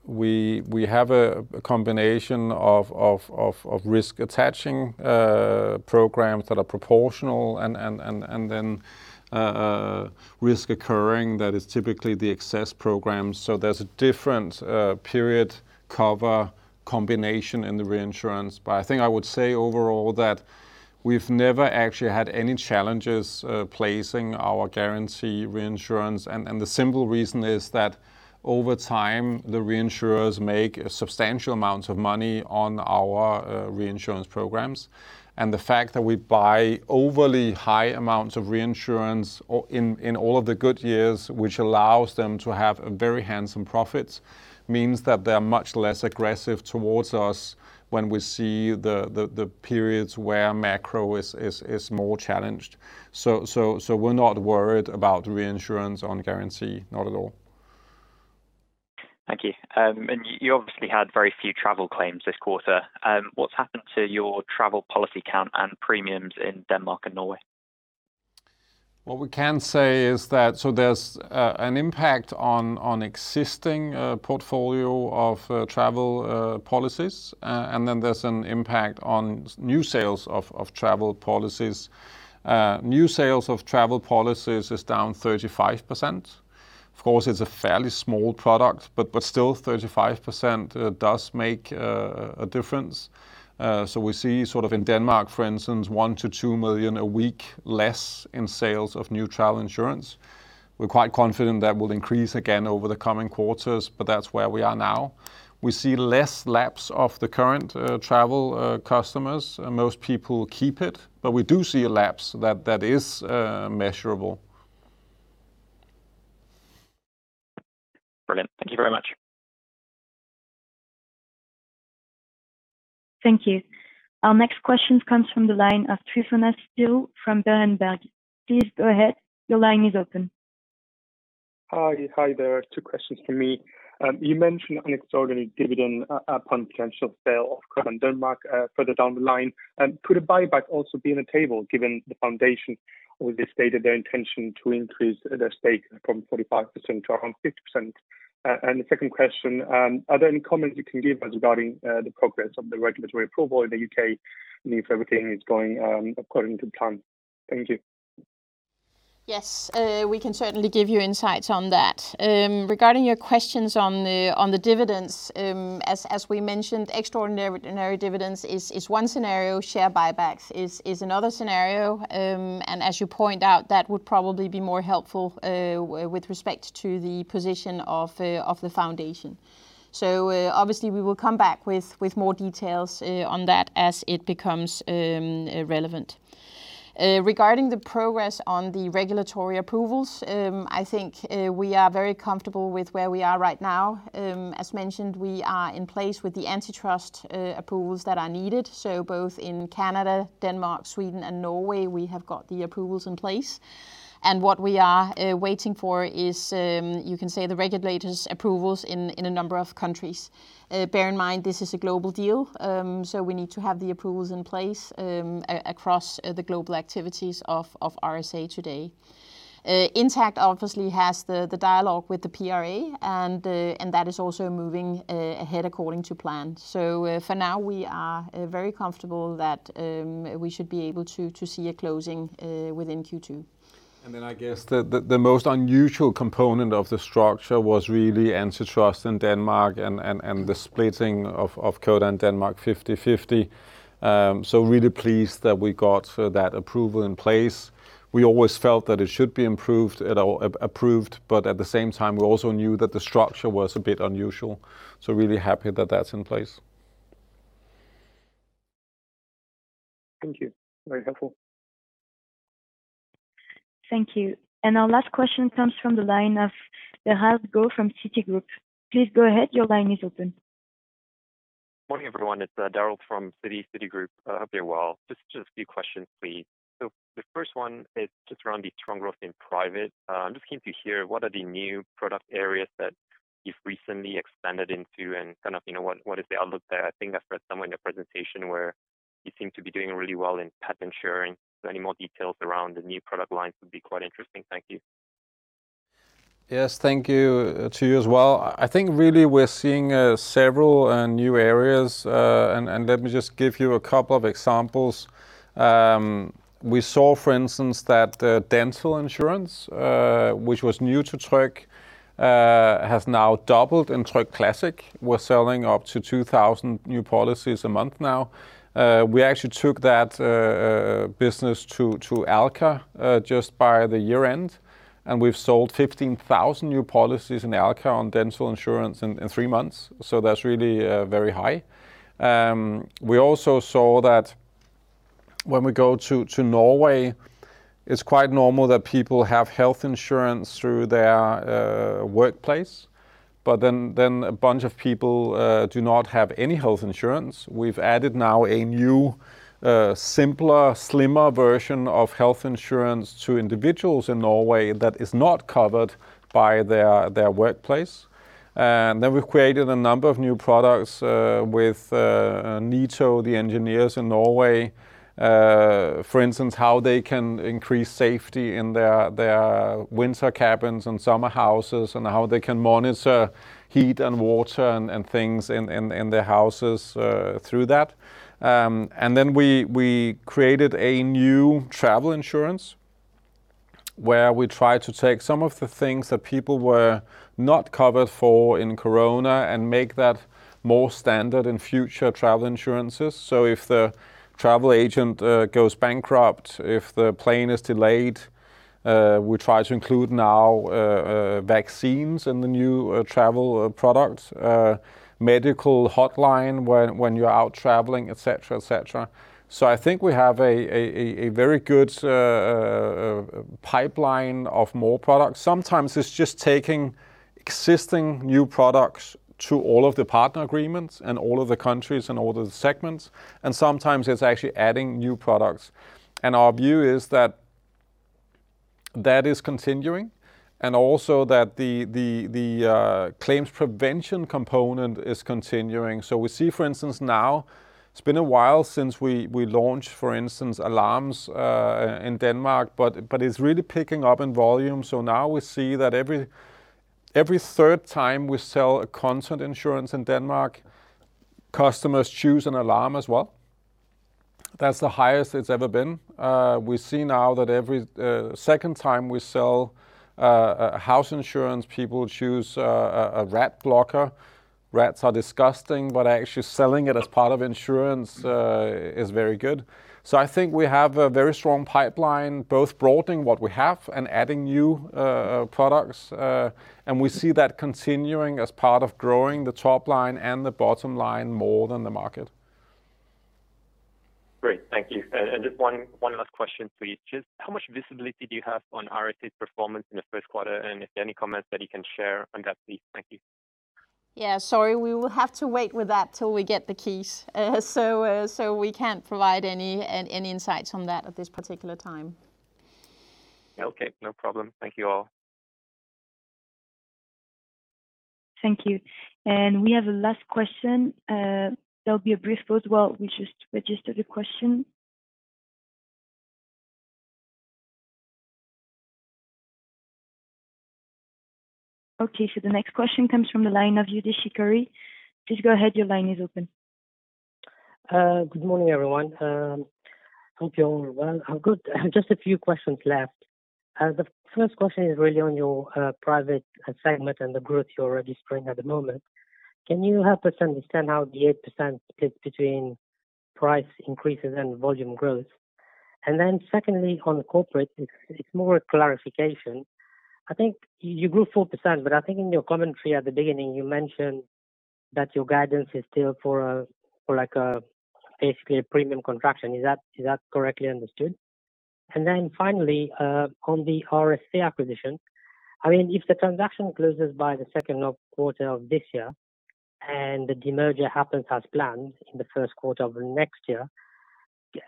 we have a combination of risk attaching programs that are proportional, and then risk occurring that is typically the excess programs. There's a different period cover combination in the reinsurance. I think I would say overall that we've never actually had any challenges placing our guarantee reinsurance. The simple reason is that over time, the reinsurers make substantial amounts of money on our reinsurance programs. The fact that we buy overly high amounts of reinsurance in all of the good years, which allows them to have very handsome profits, means that they're much less aggressive towards us when we see the periods where macro is more challenged. We're not worried about reinsurance on guarantee. Not at all. Thank you. You obviously had very few travel claims this quarter. What's happened to your travel policy count and premiums in Denmark and Norway? What we can say is that there's an impact on existing portfolio of travel policies, and then there's an impact on new sales of travel policies. New sales of travel policies is down 35%. Of course, it's a fairly small product, but still 35% does make a difference. We see sort of in Denmark, for instance, 1 million-2 million a week less in sales of new travel insurance. We're quite confident that will increase again over the coming quarters, but that's where we are now. We see less lapse of the current travel customers. Most people keep it, but we do see a lapse that is measurable. Brilliant. Thank you very much. Thank you. Our next question comes from the line of Tryfonas Spyrou from Berenberg. Please go ahead. Your line is open. Hi there. Two questions from me. You mentioned an extraordinary dividend upon potential sale of Codan Denmark further down the line. Could a buyback also be on the table given the foundation already stated their intention to increase their stake from 45% to around 50%? The second question, are there any comments you can give us regarding the progress of the regulatory approval in the U.K., and if everything is going according to plan? Thank you. Yes, we can certainly give you insights on that. Regarding your questions on the dividends, as we mentioned, extraordinary dividends is one scenario, share buybacks is another scenario. As you point out, that would probably be more helpful with respect to the position of the foundation. Obviously we will come back with more details on that as it becomes relevant. Regarding the progress on the regulatory approvals, I think we are very comfortable with where we are right now. As mentioned, we are in place with the antitrust approvals that are needed. Both in Canada, Denmark, Sweden and Norway, we have got the approvals in place. What we are waiting for is, you can say, the regulators approvals in a number of countries. Bear in mind, this is a global deal, so we need to have the approvals in place across the global activities of RSA today. Intact obviously has the dialogue with the PRA, and that is also moving ahead according to plan. For now, we are very comfortable that we should be able to see a closing within Q2. Then I guess the most unusual component of the structure was really antitrust in Denmark, and the splitting of Codan Denmark 50/50. Really pleased that we got that approval in place. We always felt that it should be improved, approved, but at the same time, we also knew that the structure was a bit unusual. Really happy that that's in place. Thank you. Very helpful. Thank you. Our last question comes from the line of Derald Goh from Citigroup. Please go ahead. Morning, everyone. It's Derald from Citigroup. Hope you're well. Just a few questions, please. The first one is just around the strong growth in Private. I'm just keen to hear what are the new product areas that you've recently expanded into and kind of what is the outlook there? I think I've read somewhere in your presentation where you seem to be doing really well in pet insurance. Any more details around the new product lines would be quite interesting. Thank you. Yes, thank you to you as well. I think really we're seeing several new areas, and let me just give you a couple of examples. We saw, for instance, that dental insurance, which was new to Tryg, has now doubled in Tryg Classic. We're selling up to 2,000 new policies a month now. We actually took that business to Alka just by the year-end, and we've sold 15,000 new policies in Alka on dental insurance in three months. That's really very high. We also saw that when we go to Norway, it's quite normal that people have health insurance through their workplace, but then a bunch of people do not have any health insurance. We've added now a new, simpler, slimmer version of health insurance to individuals in Norway that is not covered by their workplace. We've created a number of new products with NITO, the engineers in Norway. For instance, how they can increase safety in their winter cabins and summer houses, and how they can monitor heat and water and things in their houses through that. We created a new travel insurance, where we try to take some of the things that people were not covered for in corona, and make that more standard in future travel insurances. If the travel agent goes bankrupt, if the plane is delayed, we try to include now vaccines in the new travel product. Medical hotline when you're out traveling, et cetera, et cetera. I think we have a very good pipeline of more products. Sometimes it's just taking existing new products to all of the partner agreements, and all of the countries and all of the segments, and sometimes it's actually adding new products. Our view is that that is continuing, and also that the claims prevention component is continuing. We see, for instance, now it's been a while since we launched, for instance, alarms in Denmark, but it's really picking up in volume. Now we see that every third time we sell a content insurance in Denmark, customers choose an alarm as well. That's the highest it's ever been. We see now that every second time we sell house insurance, people choose a rat blocker. Rats are disgusting, but actually selling it as part of insurance is very good. I think we have a very strong pipeline, both broadening what we have, and adding new products. We see that continuing as part of growing the top line and the bottom line more than the market. Great, thank you. Just one last question for you. Just how much visibility do you have on RSA's performance in the first quarter? If there are any comments that you can share on that, please. Thank you. Yeah, sorry, we will have to wait with that till we get the keys. We can't provide any insights on that at this particular time. Okay, no problem. Thank you all. Thank you. We have a last question. There will be a brief pause while we just register the question. Okay, the next question comes from the line of Youdish Chicooree. Please go ahead, your line is open. Good morning, everyone. Hope you're all well. I'm good. Just a few questions left. The first question is really on your Private segment and the growth you're registering at the moment. Can you help us understand how the 8% splits between price increases, and volume growth? Secondly, on the Corporate, it's more a clarification. I think you grew 4%. I think in your commentary at the beginning, you mentioned that your guidance is still for basically a premium contraction. Is that correctly understood? Finally, on the RSA acquisition, if the transaction closes by the second quarter of this year, and the demerger happens as planned in the first quarter of next year,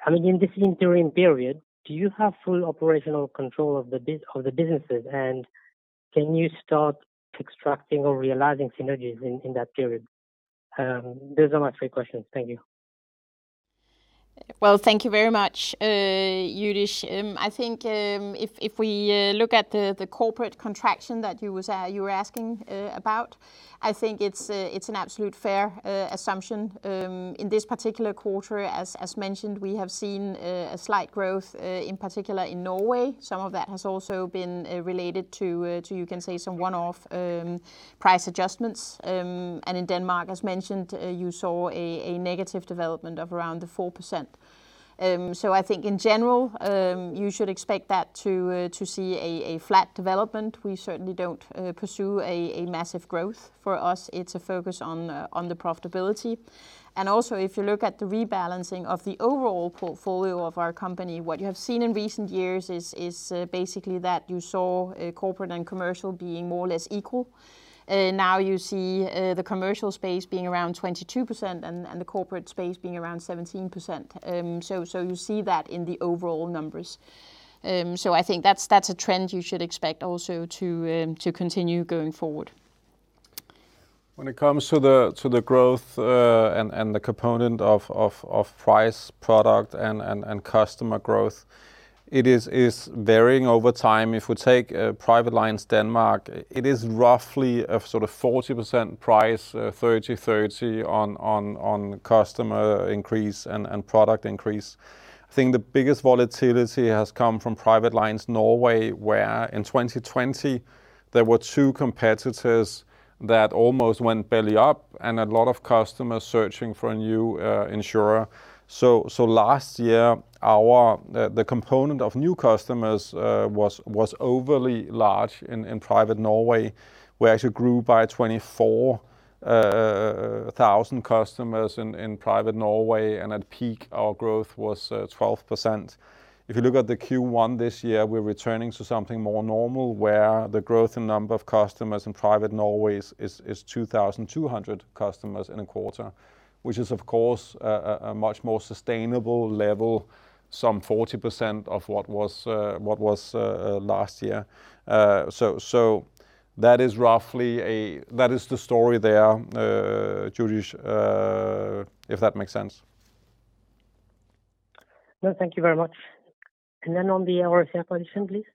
in this interim period, do you have full operational control of the businesses, and can you start extracting, or realizing synergies in that period? Those are my three questions. Thank you. Well, thank you very much, Youdish. I think if we look at the Corporate contraction that you were asking about, I think it's an absolute fair assumption. In this particular quarter, as mentioned, we have seen a slight growth, in particular in Norway. Some of that has also been related to, you can say, some one-off price adjustments. In Denmark, as mentioned, you saw a negative development of around the 4%. I think in general, you should expect that to see a flat development. We certainly don't pursue a massive growth. For us, it's a focus on the profitability. Also, if you look at the rebalancing of the overall portfolio of our company, what you have seen in recent years is basically that you saw Corporate and Commercial being more, or less equal. Now you see the Commercial space being around 22% and the Corporate space being around 17%. You see that in the overall numbers. I think that's a trend you should expect also to continue going forward. When it comes to the growth, and the component of price, product, and customer growth, it is varying over time. If we take Private lines Denmark, it is roughly a sort of 40% price, 30/30 on customer increase, and product increase. I think the biggest volatility has come from Private lines Norway, where in 2020 there were two competitors that almost went belly up, and a lot of customers searching for a new insurer. Last year, our, the component of new customers was overly large in Private Norway. We actually grew by 24,000 customers in Private Norway, and at peak our growth was 12%. If you look at the Q1 this year, we're returning to something more normal where the growth in number of customers in Private Norway is 2,200 customers in a quarter, which is of course a much more sustainable level, some 40% of what was last year. That is roughly a, that is the story there, Youdish, if that makes sense. No, thank you very much. On the RSA acquisition, please.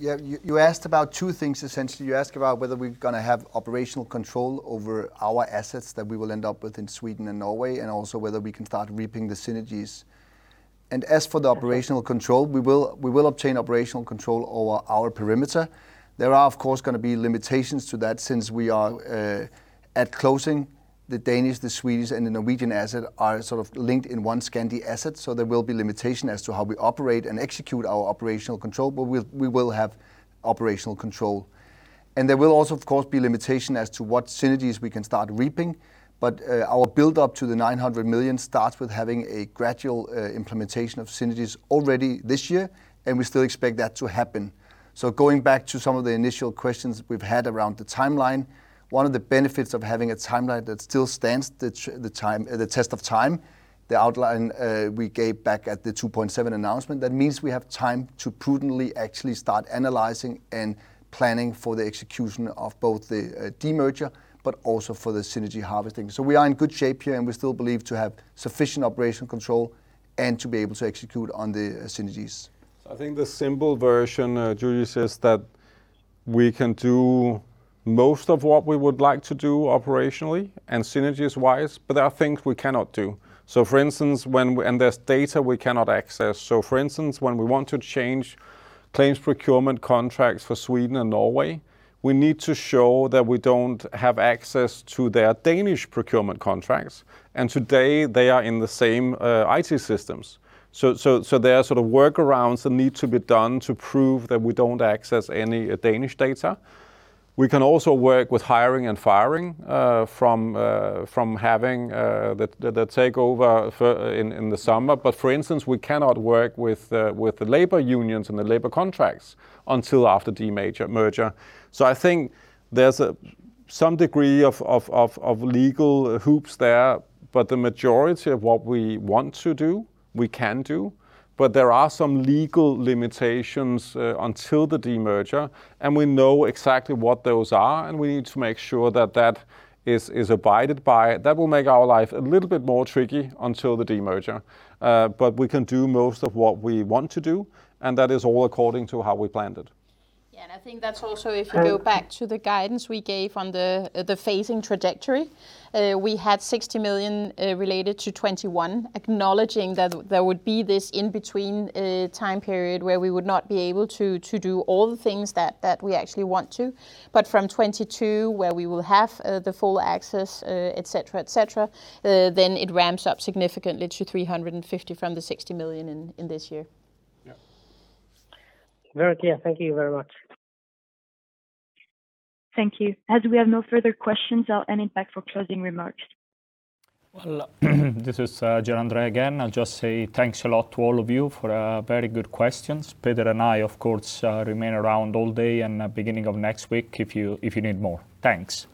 You asked about two things, essentially. You asked about whether we're going to have operational control over our assets that we will end up with in Sweden and Norway, and also whether we can start reaping the synergies. As for the operational control, we will obtain operational control over our perimeter. There are, of course, going to be limitations to that since we are at closing the Danish, the Swedish, and the Norwegian asset are sort of linked in one Scandi asset. There will be limitation as to how we operate, and execute our operational control, but we will have operational control. There will also, of course, be limitation as to what synergies we can start reaping. Our build up to the 900 million starts with having a gradual implementation of synergies already this year, and we still expect that to happen. Going back to some of the initial questions we've had around the timeline, one of the benefits of having a timeline that still stands the test of time, the outline we gave back at the 2.7 Announcement, that means we have time to prudently actually start analyzing, and planning for the execution of both the demerger, but also for the synergy harvesting. We are in good shape here, and we still believe to have sufficient operational control, and to be able to execute on the synergies. I think the simple version, Youdish, is that we can do most of what we would like to do operationally, and synergies-wise. But I think we cannot do. For instance, when there's data we cannot access. For instance, when we want to change claims procurement contracts for Sweden and Norway, we need to show that we don't have access to their Danish procurement contracts. Today they are in the same IT systems. There are sort of workarounds that need to be done to prove that we don't access any Danish data. We can also work with hiring, and firing from having the takeover in the summer. For instance, we cannot work with the labor unions, and the labor contracts until after demerger. I think there's some degree of legal hoops there, but the majority of what we want to do, we can do. There are some legal limitations until the demerger, and we know exactly what those are, and we need to make sure that that is abided by. That will make our life a little bit more tricky until the demerger. We can do most of what we want to do, and that is all according to how we planned it. I think that's also if you go back to the guidance we gave on the phasing trajectory we had 60 million related to 2021, acknowledging that there would be this in between time period where we would not be able to do all the things that we actually want to. From 2022, where we will have the full access, et cetera, et cetera, then it ramps up significantly to 350 million from the 60 million in this year. Yeah. Very clear. Thank you very much. Thank you. As we have no further questions, I'll hand it back for closing remarks. This is Gianandrea again. I'll just say thanks a lot to all of you for very good questions. Peter and I, of course, remain around all day, and beginning of next week if you need more. Thanks.